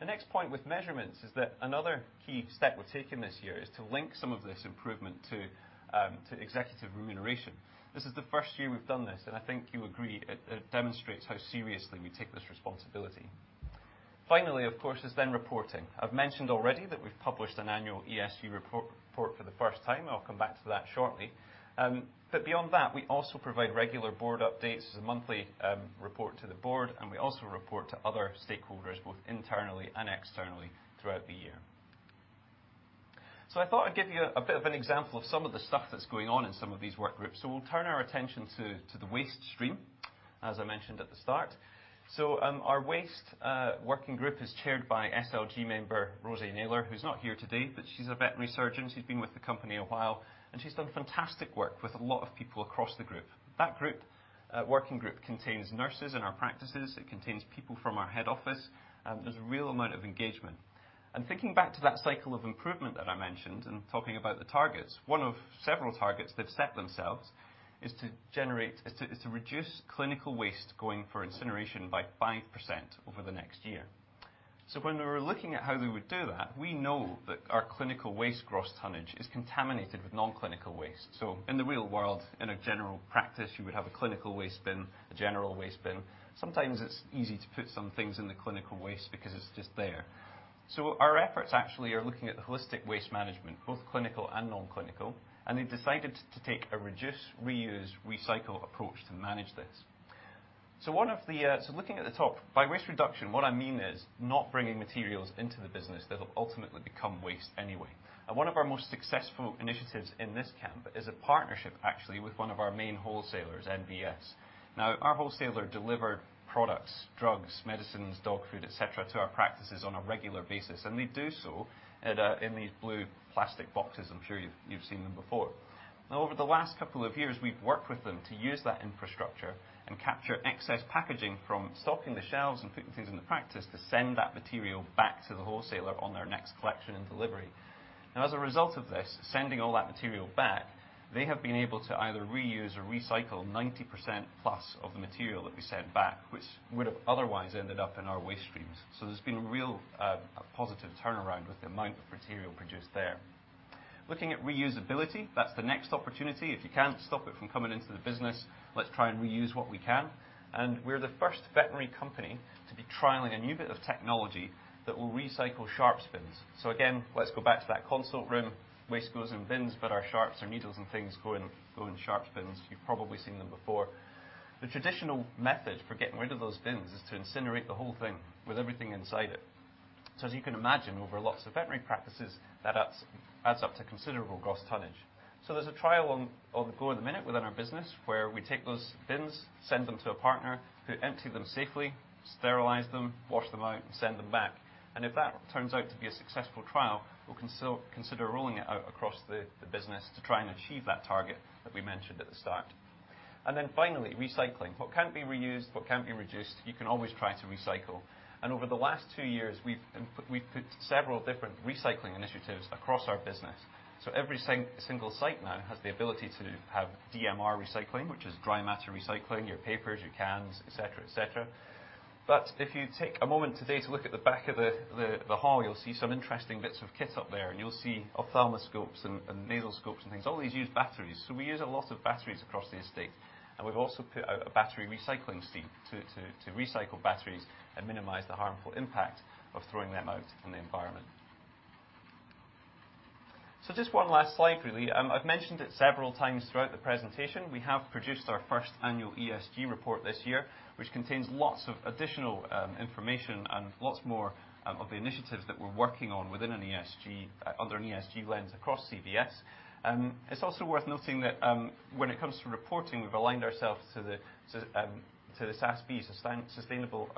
The next point with measurements is that another key step we're taking this year is to link some of this improvement to executive remuneration. This is the 1st year we've done this, and I think you agree it demonstrates how seriously we take this responsibility. Finally, of course, is then reporting. I've mentioned already that we've published an annual ESG report for the 1st time, and I'll come back to that shortly. Beyond that, we also provide regular board updates, a monthly report to the board, and we also report to other stakeholders, both internally and externally throughout the year. I thought I'd give you a bit of an example of some of the stuff that's going on in some of these work groups. We'll turn our attention to the waste stream, as I mentioned at the start. Our waste working group is chaired by SLG member, Rosie Naylor, who's not here today, but she's a veterinary surgeon. She's been with the company a while, and she's done fantastic work with a lot of people across the group. That group working group contains nurses in our practices, it contains people from our head office. There's a real amount of engagement. Thinking back to that cycle of improvement that I mentioned and talking about the targets, one of several targets they've set themselves is to reduce clinical waste going for incineration by 5% over the next year. When we were looking at how we would do that, we know that our clinical waste gross tonnage is contaminated with non-clinical waste. In the real world, in a general practice, you would have a clinical waste bin, a general waste bin. Sometimes it's easy to put some things in the clinical waste because it's just there. Our efforts actually are looking at the holistic waste management, both clinical and non-clinical, and they've decided to take a reduced, reuse, recycle approach to manage this. One of the, Looking at the top, by waste reduction, what I mean is not bringing materials into the business that'll ultimately become waste anyway. One of our most successful initiatives in this camp is a partnership actually with one of our main wholesalers, NVS. Our wholesaler deliver products, drugs, medicines, dog food, et cetera, to our practices on a regular basis, and they do so in these blue plastic boxes. I'm sure you've seen them before. Now, over the last couple of years, we've worked with them to use that infrastructure and capture excess packaging from stocking the shelves and putting things in the practice to send that material back to the wholesaler on their next collection and delivery. Now, as a result of this, sending all that material back, they have been able to either reuse or recycle 90%+ of the material that we send back, which would have otherwise ended up in our waste streams. There's been a real, a positive turnaround with the amount of material produced there. Looking at reusability, that's the next opportunity. If you can't stop it from coming into the business, let's try and reuse what we can. We're the 1st veterinary company to be trialing a new bit of technology that will recycle sharps bins. Again, let's go back to that consult room. Waste goes in bins, but our sharps and needles and things go in sharps bins. You've probably seen them before. The traditional method for getting rid of those bins is to incinerate the whole thing with everything inside it. As you can imagine, over lots of veterinary practices, that adds up to considerable gross tonnage. There's a trial on the go at the minute within our business where we take those bins, send them to a partner who empty them safely, sterilize them, wash them out, and send them back. If that turns out to be a successful trial, we'll consider rolling it out across the business to try and achieve that target that we mentioned at the start. Then finally, recycling. What can't be reused, what can't be reduced, you can always try to recycle. Over the last two years, we've put several different recycling initiatives across our business. Every single site now has the ability to have DMR recycling, which is Dry Mixed Recycling, your papers, your cans, et cetera. If you take a moment today to look at the back of the hall, you'll see some interesting bits of kit up there. You'll see ophthalmoscopes and nasal scopes and things. All these use batteries. We use a lot of batteries across the estate, and we've also put out a battery recycling scheme to recycle batteries and minimize the harmful impact of throwing them out in the environment. Just one last slide, really. I've mentioned it several times throughout the presentation. We have produced our 1st annual ESG report this year, which contains lots of additional information and lots more of the initiatives that we're working on within an ESG under an ESG lens across CVS. It's also worth noting that, when it comes to reporting, we've aligned ourselves to the SASB, Sustainability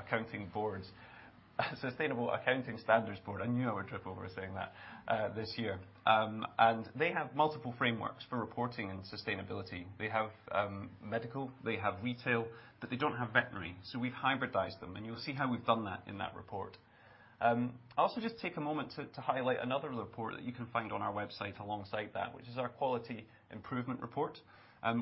Accounting Standards Board. I knew I would trip over saying that this year. They have multiple frameworks for reporting and sustainability. They have medical, they have retail, but they don't have veterinary, so we've hybridized them, and you'll see how we've done that in that report. I'll also just take a moment to highlight another report that you can find on our website alongside that, which is our quality improvement report.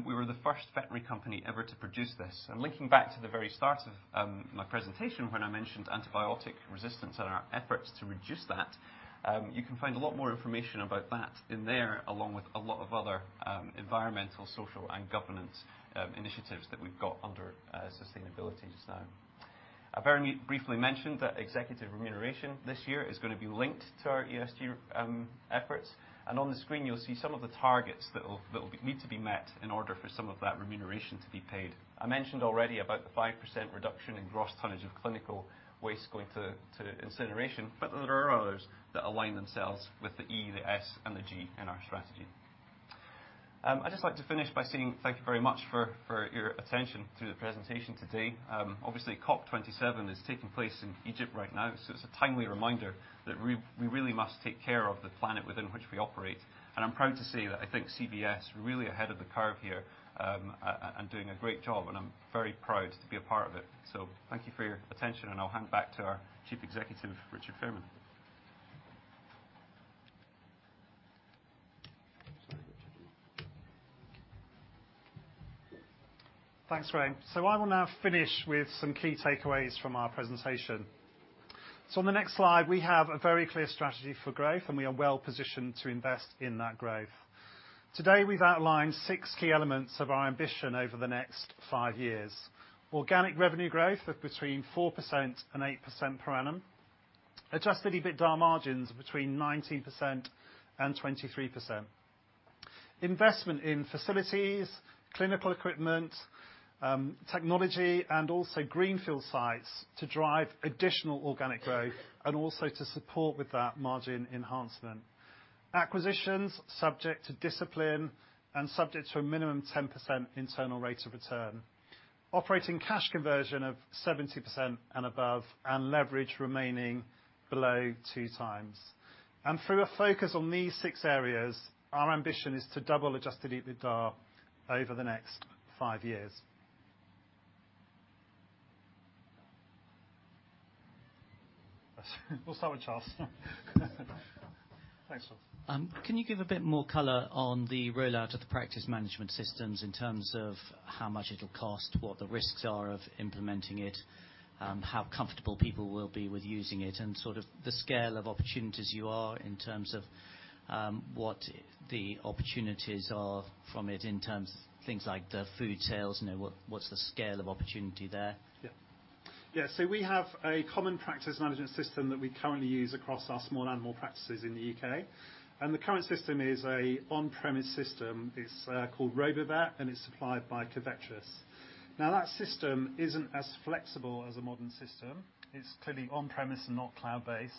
We were the 1st veterinary company ever to produce this. Linking back to the very start of my presentation when I mentioned antibiotic resistance and our efforts to reduce that, you can find a lot more information about that in there, along with a lot of other environmental, social, and governance initiatives that we've got under sustainability just now. I very briefly mentioned that executive remuneration this year is gonna be linked to our ESG efforts, and on the screen, you'll see some of the targets that'll need to be met in order for some of that remuneration to be paid. I mentioned already about the 5% reduction in gross tonnage of clinical waste going to incineration, but there are others that align themselves with the E, the S, and the G in our strategy. I'd just like to finish by saying thank you very much for your attention to the presentation today. Obviously, COP27 is taking place in Egypt right now, so it's a timely reminder that we really must take care of the planet within which we operate. I'm proud to say that I think CVS are really ahead of the curve here, and doing a great job, and I'm very proud to be a part of it. Thank you for your attention, and I'll hand back to our Chief Executive, Richard Fairman. Thanks, Wayne. I will now finish with some key takeaways from our presentation. On the next slide, we have a very clear strategy for growth, and we are well-positioned to invest in that growth. Today, we've outlined six key elements of our ambition over the next five years. Organic revenue growth of between 4% and 8% per annum. Adjusted EBITDA margins of between 19% and 23%. Investment in facilities, clinical equipment, technology and also greenfield sites to drive additional organic growth and also to support with that margin enhancement. Acquisitions subject to discipline and subject to a minimum 10% internal rate of return. Operating cash conversion of 70% and above, and leverage remaining below 2x. Through a focus on these six areas, our ambition is to double adjusted EBITDA over the next five years. We'll start with Charles. Thanks. Can you give a bit more color on the rollout of the practice management systems in terms of how much it'll cost, what the risks are of implementing it, how comfortable people will be with using it, and sort of the scale of opportunities you are in terms of, what the opportunities are from it in terms of things like the food sales and then what's the scale of opportunity there? We have a common practice management system that we currently use across our small animal practices in the U.K., and the current system is an on-premise system. It's called RoboVet, and it's supplied by Covetrus. Now that system isn't as flexible as a modern system. It's clearly on premise and not cloud-based,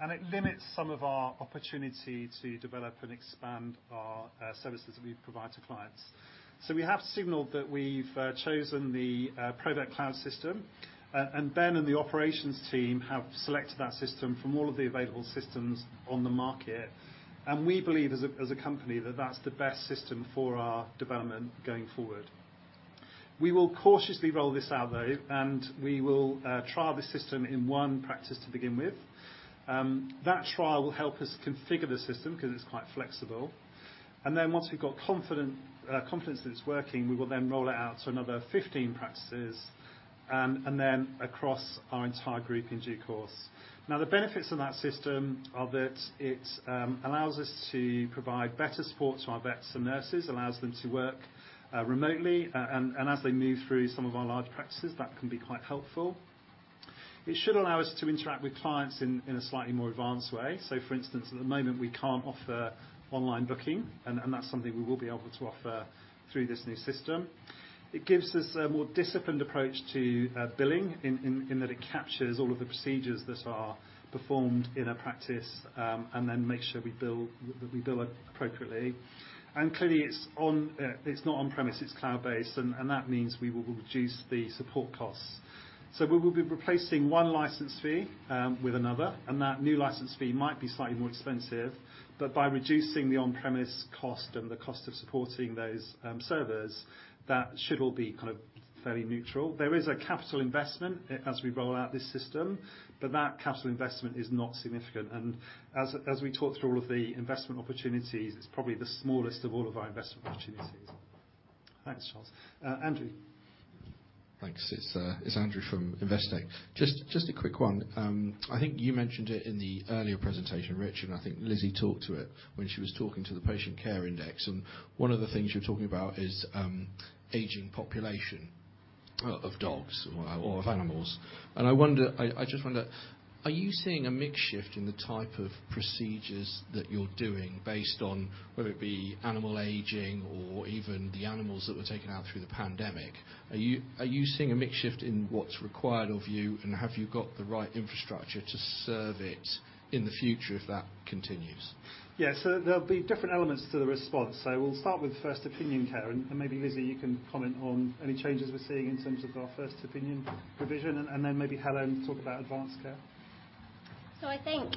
and it limits some of our opportunity to develop and expand our services that we provide to clients. We have signaled that we've chosen the Provet Cloud system. And Ben and the operations team have selected that system from all of the available systems on the market, and we believe as a company that that's the best system for our development going forward. We will cautiously roll this out, though, and we will trial the system in one practice to begin with. That trial will help us configure the system because it's quite flexible, and then once we've got confidence that it's working, we will then roll it out to another 15 practices, and then across our entire group in due course. Now, the benefits of that system are that it allows us to provide better support to our vets and nurses, allows them to work remotely. As they move through some of our large practices, that can be quite helpful. It should allow us to interact with clients in a slightly more advanced way. For instance, at the moment, we can't offer online booking, and that's something we will be able to offer through this new system. It gives us a more disciplined approach to billing in that it captures all of the procedures that are performed in a practice, and then makes sure we bill appropriately. Clearly, it's not on-premise, it's cloud-based, and that means we will reduce the support costs. We will be replacing one license fee with another, and that new license fee might be slightly more expensive, but by reducing the on-premise cost and the cost of supporting those servers, that should all be kind of fairly neutral. There is a capital investment as we roll out this system, but that capital investment is not significant. As we talk through all of the investment opportunities, it's probably the smallest of all of our investment opportunities. Thanks, Charles. Andrew. Thanks. It's Andrew Whitney from Investec. Just a quick one. I think you mentioned it in the earlier presentation, Rich, and I think Lizzie McLennan-Green talked about it when she was talking about the Patient Care Index, and one of the things you're talking about is aging population of dogs or of animals. I just wonder, are you seeing a mix shift in the type of procedures that you're doing based on whether it be animal aging or even the animals that were taken out through the pandemic? Are you seeing a mix shift in what's required of you, and have you got the right infrastructure to serve it in the future if that continues? Yeah. There'll be different elements to the response. We'll start with 1st opinion care and maybe Lizzie you can comment on any changes we're seeing in terms of our 1st opinion provision and then maybe Helen can talk about advanced care. I think,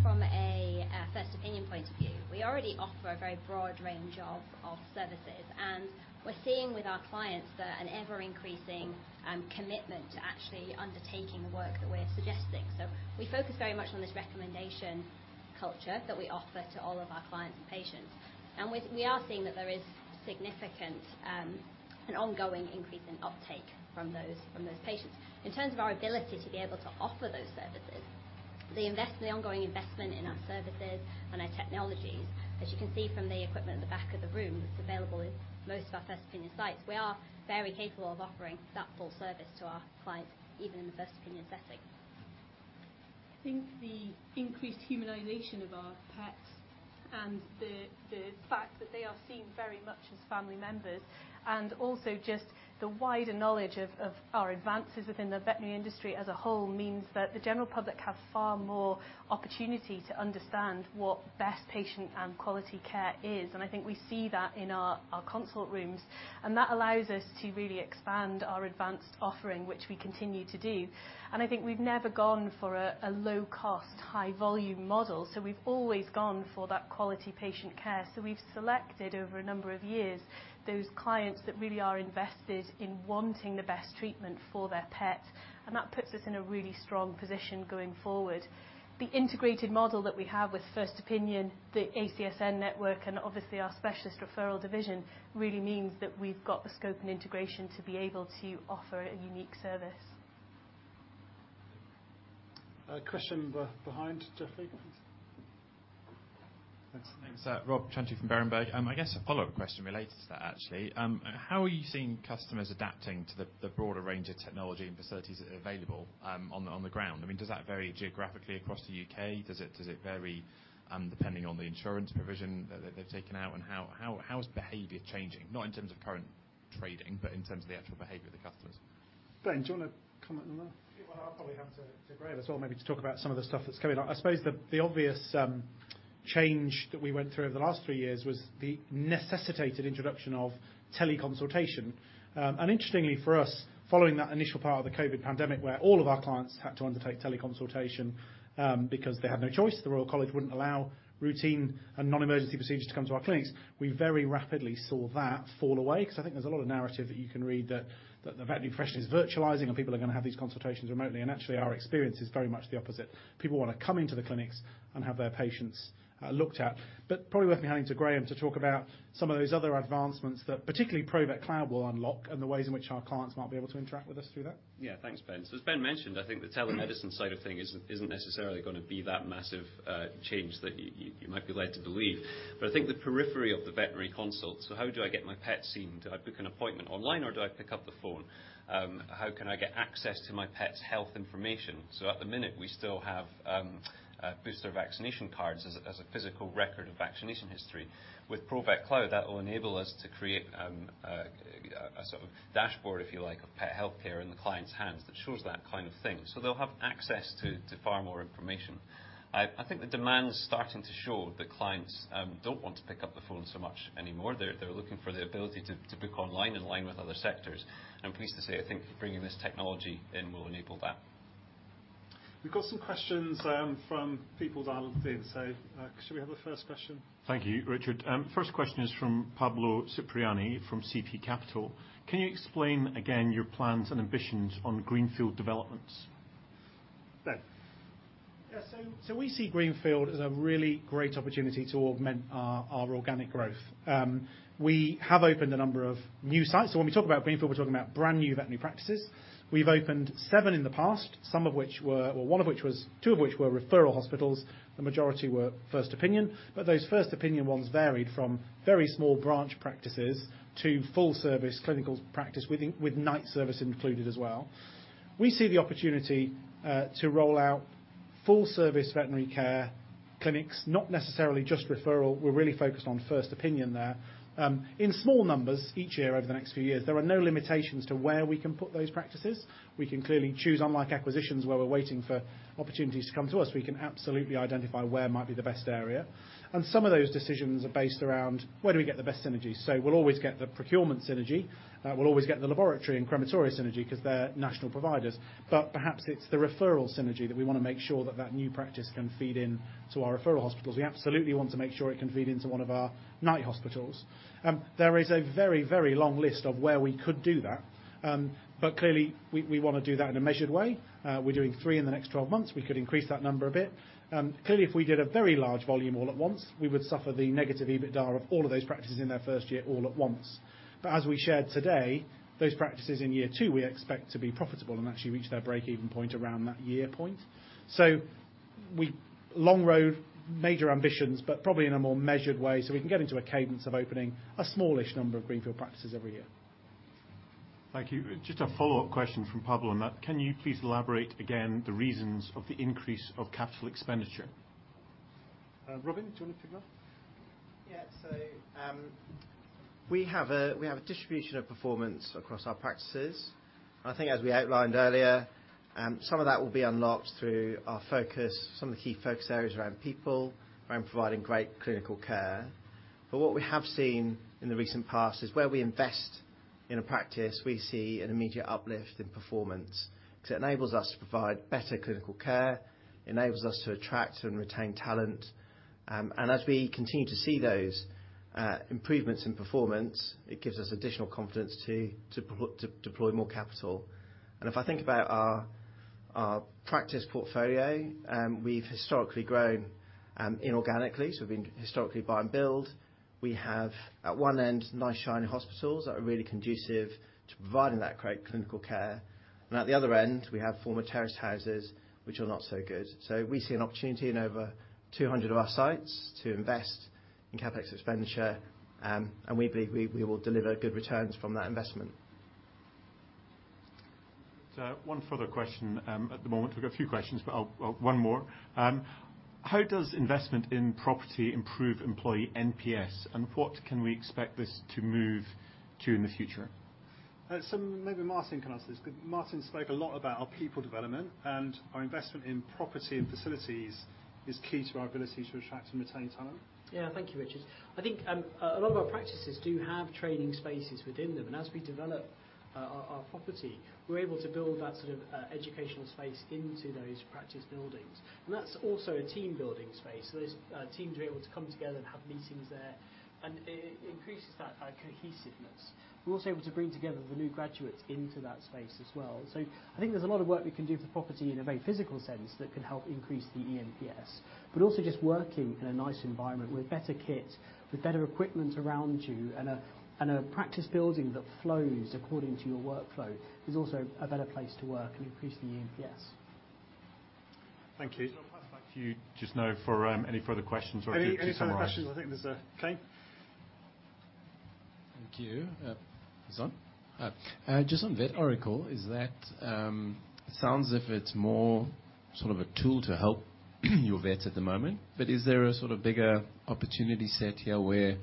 from a 1st opinion point of view, we already offer a very broad range of services, and we're seeing with our clients that an ever-increasing commitment to actually undertaking the work that we're suggesting. We focus very much on this recommendation culture that we offer to all of our clients and patients, and we are seeing that there is significant and ongoing increase in uptake from those patients. In terms of our ability to be able to offer those services, the ongoing investment in our services and our technologies, as you can see from the equipment at the back of the room that's available in most of our 1st opinion sites, we are very capable of offering that full service to our clients, even in the 1st opinion setting. I think the increased humanization of our pets and the fact that they are seen very much as family members, and also just the wider knowledge of our advances within the veterinary industry as a whole means that the general public have far more opportunity to understand what best patient and quality care is, and I think we see that in our consult rooms, and that allows us to really expand our advanced offering, which we continue to do. I think we've never gone for a low cost, high volume model, so we've always gone for that quality patient care. We've selected over a number of years those clients that really are invested in wanting the best treatment for their pet, and that puts us in a really strong position going forward. The integrated model that we have with 1st opinion, the ACSN network, and obviously our specialist referral division really means that we've got the scope and integration to be able to offer a unique service. A question behind Jeffrey, please. Rob Chantry from Berenberg. I guess a follow-up question related to that actually. How are you seeing customers adapting to the broader range of technology and facilities that are available on the ground? I mean, does that vary geographically across the U.K.? Does it vary depending on the insurance provision that they've taken out? How is behavior changing? Not in terms of current trading, but in terms of the actual behavior of the customers. Ben, do you wanna comment on that? Yeah. Well, I'll probably hand to Graham as well, maybe to talk about some of the stuff that's coming up. I suppose the obvious change that we went through over the last three years was the necessitated introduction of teleconsultation. Interestingly for us, following that initial part of the COVID pandemic where all of our clients had to undertake teleconsultation, because they had no choice, the Royal College wouldn't allow routine and non-emergency procedures to come to our clinics, we very rapidly saw that fall away. 'Cause I think there's a lot of narrative that you can read that the vet profession is virtualizing and people are gonna have these consultations remotely, and actually our experience is very much the opposite. People wanna come into the clinics and have their patients looked at. Probably worth me handing to Graham to talk about some of those other advancements that particularly Provet Cloud will unlock and the ways in which our clients might be able to interact with us through that. Yeah. Thanks, Ben. As Ben mentioned, I think the telemedicine side of things isn't necessarily gonna be that massive change that you might be led to believe. I think the periphery of the veterinary consult, so how do I get my pet seen? Do I book an appointment online or do I pick up the phone? How can I get access to my pet's health information? At the minute, we still have a booster vaccination cards as a physical record of vaccination history. With Provet Cloud, that will enable us to create a sort of dashboard, if you like, of pet healthcare in the client's hands that shows that kind of thing. They'll have access to far more information. I think the demand's starting to show that clients don't want to pick up the phone so much anymore. They're looking for the ability to book online in line with other sectors. I'm pleased to say, I think bringing this technology in will enable that. We've got some questions, from people dialed in. Shall we have the 1st question? Thank you, Richard. 1st question is from Pablo Cipriani, from CP Capital. Can you explain again your plans and ambitions on greenfield developments? Ben. We see greenfield as a really great opportunity to augment our organic growth. We have opened a number of new sites. When we talk about greenfield, we're talking about brand new veterinary practices. We've opened seven in the past, some of which were, or one of which was, two of which were referral hospitals, the majority were 1st opinion. Those 1st opinion ones varied from very small branch practices to full service clinical practice with night service included as well. We see the opportunity to roll out full service veterinary care clinics, not necessarily just referral. We're really focused on 1st opinion there, in small numbers each year over the next few years. There are no limitations to where we can put those practices. We can clearly choose, unlike acquisitions, where we're waiting for opportunities to come t8o us. We can absolutely identify where might be the best area. Some of those decisions are based around where do we get the best synergies. We'll always get the procurement synergy. We'll always get the laboratory and crematoria synergy 'cause they're national providers. Perhaps it's the referral synergy that we wanna make sure that that new practice can feed in to our referral hospitals. We absolutely want to make sure it can feed into one of our night hospitals. There is a very, very long list of where we could do that. Clearly, we wanna do that in a measured way. We're doing 3 in the next 12 months. We could increase that number a bit. Clearly, if we did a very large volume all at once, we would suffer the negative EBITDA of all of those practices in their 1st year all at once. As we shared today, those practices in year two, we expect to be profitable and actually reach their break-even point around two-year point. We long-term major ambitions, but probably in a more measured way, so we can get into a cadence of opening a smallish number of greenfield practices every year. Thank you. Just a follow-up question from Pablo Cipriani on that. Can you please elaborate again the reasons of the increase of capital expenditure? Robin, do you wanna pick it up? We have a distribution of performance across our practices. I think as we outlined earlier, some of that will be unlocked through our focus, some of the key focus areas around people, around providing great clinical care. But what we have seen in the recent past is where we invest in a practice, we see an immediate uplift in performance 'cause it enables us to provide better clinical care, enables us to attract and retain talent. As we continue to see those improvements in performance, it gives us additional confidence to deploy more capital. If I think about our practice portfolio, we've historically grown inorganically. We've been historically buy and build. We have at one end, nice shiny hospitals that are really conducive to providing that great clinical care. At the other end, we have former terraced houses, which are not so good. We see an opportunity in over 200 of our sites to invest in CapEx expenditure, and we believe we will deliver good returns from that investment. One further question at the moment. We've got a few questions, but I'll one more. How does investment in property improve employee NPS, and what can we expect this to move to in the future? Maybe Martin can answer this because Martin spoke a lot about our people development and our investment in property and facilities is key to our ability to attract and retain talent. Yeah. Thank you, Richard. I think a lot of our practices do have training spaces within them, and as we develop our property, we're able to build that sort of educational space into those practice buildings. That's also a team-building space. Those teams are able to come together and have meetings there, and it increases that, like, cohesiveness. We're also able to bring together the new graduates into that space as well. I think there's a lot of work we can do for property in a very physical sense that can help increase the eNPS. also just working in a nice environment with better kit, with better equipment around you, and a practice building that flows according to your workflow is also a better place to work and increase the eNPS. Thank you. I'll pass back to you just now for any further questions or if you need to summarize. Any further questions? I think there's Kane? Thank you. Is this on? Just on Vet Oracle. Is that, it sounds like it's more sort of a tool to help your vets at the moment. But is there a sort of bigger opportunity set here where,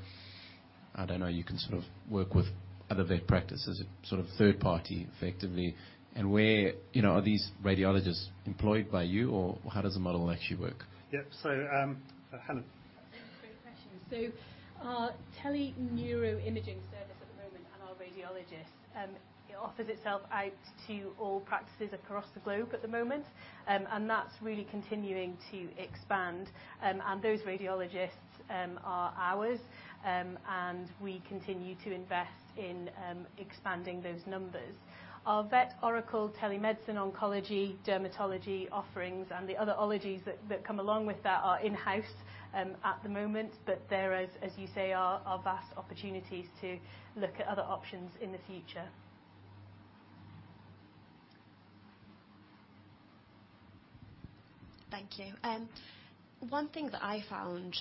I don't know, you can sort of work with other vet practices, sort of 3rd party effectively? Where, you know, are these radiologists employed by you, or how does the model actually work? Yeah. Helen. That's a great question. Our tele-neuro imaging service at the moment and our radiologists, it offers itself out to all practices across the globe at the moment. That's really continuing to expand. Those radiologists are ours. We continue to invest in expanding those numbers. Our Vet Oracle telemedicine, oncology, dermatology offerings and the other ologies that come along with that are in-house at the moment. There are, as you say, vast opportunities to look at other options in the future. Thank you. One thing that I found,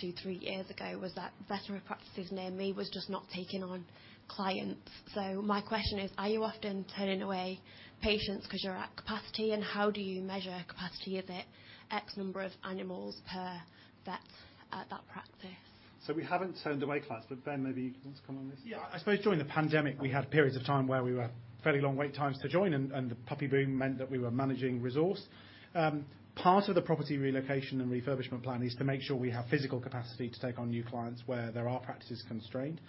2, 3 years ago was that veterinary practices near me was just not taking on clients. My question is, are you often turning away patients 'cause you're at capacity? How do you measure capacity? Is it X number of animals per vet at that practice? We haven't turned away clients. Ben, maybe you can comment on this. Yeah. I suppose during the pandemic, we had periods of time where we were fairly long wait times to join and the puppy boom meant that we were managing resources. Part of the property relocation and refurbishment plan is to make sure we have physical capacity to take on new clients where there are practices constrained.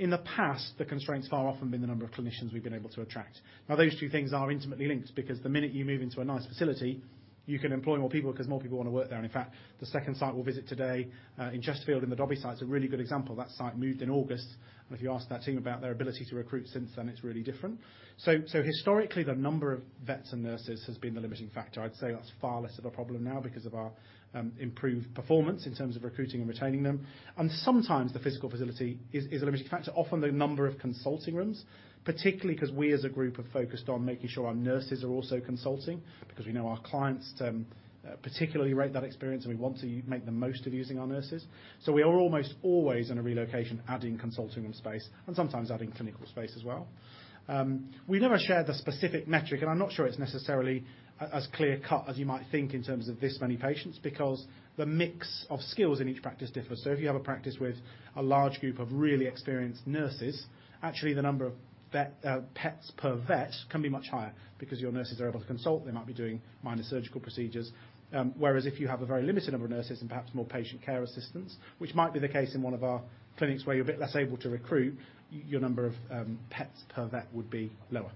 In the past, the constraint's far too often been the number of clinicians we've been able to attract. Now, those two things are intimately linked because the minute you move into a nice facility, you can employ more people 'cause more people wanna work there. In fact, the 2nd site we'll visit today, in Chesterfield, in the Dobbies site, is a really good example. That site moved in August, and if you ask that team about their ability to recruit since then, it's really different. Historically, the number of vets and nurses has been the limiting factor. I'd say that's far less of a problem now because of our improved performance in terms of recruiting and retaining them. Sometimes the physical facility is a limiting factor. Often, the number of consulting rooms, particularly 'cause we as a group have focused on making sure our nurses are also consulting because we know our clients particularly rate that experience, and we want to make the most of using our nurses. We are almost always in a relocation adding consulting room space and sometimes adding clinical space as well. We never shared the specific metric, and I'm not sure it's necessarily as clear-cut as you might think in terms of this many patients, because the mix of skills in each practice differs. If you have a practice with a large group of really experienced nurses, actually the number of pets per vet can be much higher because your nurses are able to consult. They might be doing minor surgical procedures. Whereas if you have a very limited number of nurses and perhaps more patient care assistants, which might be the case in one of our clinics where you're a bit less able to recruit, your number of pets per vet would be lower.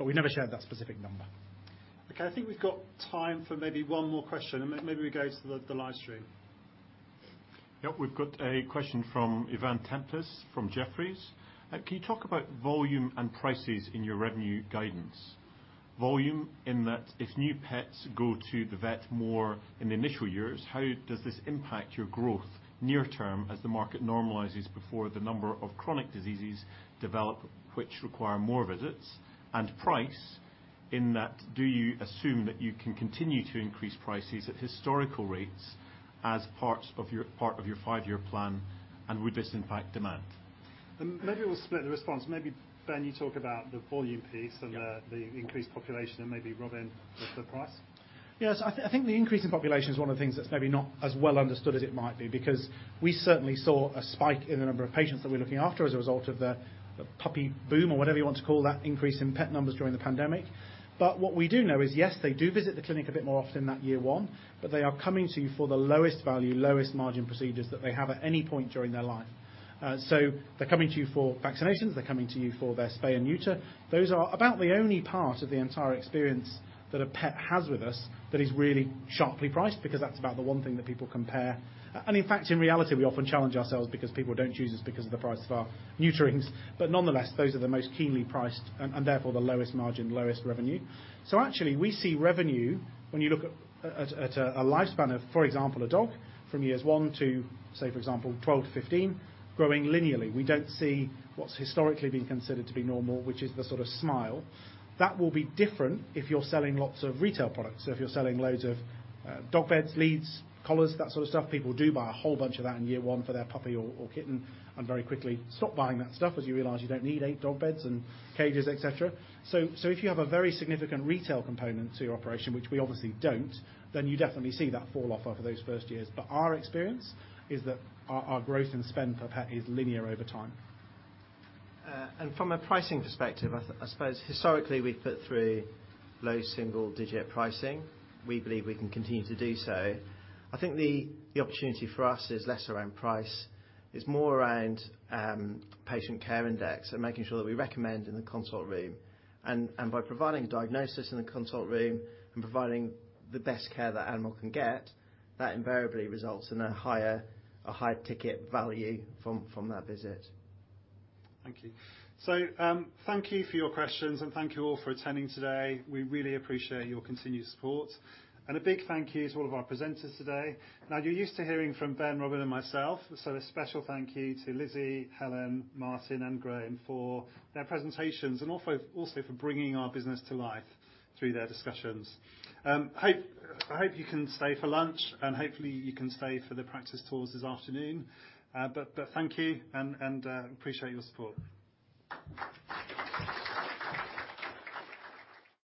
We never shared that specific number. Okay. I think we've got time for maybe one more question and maybe we go to the live stream. Yep, we've got a question from Evan Tempus from Jefferies. Can you talk about volume and prices in your revenue guidance? Volume, in that if new pets go to the vet more in the initial years, how does this impact your growth near term as the market normalizes before the number of chronic diseases develop, which require more visits? And price, in that do you assume that you can continue to increase prices at historical rates as part of your five-year plan, and would this impact demand? Maybe we'll split the response. Maybe Ben, you talk about the volume piece. Yeah. The increased population, and maybe Robin with the price. Yes. I think the increase in population is one of the things that's maybe not as well understood as it might be, because we certainly saw a spike in the number of patients that we're looking after as a result of the puppy boom or whatever you want to call that increase in pet numbers during the pandemic. What we do know is, yes, they do visit the clinic a bit more often that year one, but they are coming to you for the lowest value, lowest margin procedures that they have at any point during their life. So they're coming to you for vaccinations. They're coming to you for their spay and neuter. Those are about the only part of the entire experience that a pet has with us that is really sharply priced because that's about the one thing that people compare. In fact, in reality, we often challenge ourselves because people don't choose us because of the price of our neuterings. Nonetheless, those are the most keenly priced and therefore the lowest margin, lowest revenue. Actually, we see revenue when you look at a lifespan of, for example, a dog from years 1 to, say, for example, 12 to 15, growing linearly. We don't see what's historically been considered to be normal, which is the sort of smile. That will be different if you're selling lots of retail products. If you're selling loads of dog beds, leads, collars, that sort of stuff, people do buy a whole bunch of that in year 1 for their puppy or kitten and very quickly stop buying that stuff as you realize you don't need 8 dog beds and cages, et cetera. If you have a very significant retail component to your operation, which we obviously don't, then you definitely see that fall off after those 1st years. Our experience is that our growth in spend per pet is linear over time. I suppose historically, we've put through low single-digit pricing. We believe we can continue to do so. I think the opportunity for us is less around price. It's more around Patient Care Index and making sure that we recommend in the consult room. By providing diagnosis in the consult room and providing the best care that animal can get, that invariably results in a higher ticket value from that visit. Thank you. Thank you for your questions, and thank you all for attending today. We really appreciate your continued support. A big thank you to all of our presenters today. Now, you're used to hearing from Ben, Robin, and myself, so a special thank you to Lizzie, Helen, Martin, and Graham for their presentations and also for bringing our business to life through their discussions. Hope you can stay for lunch, and hopefully you can stay for the practice tours this afternoon. Thank you and appreciate your support.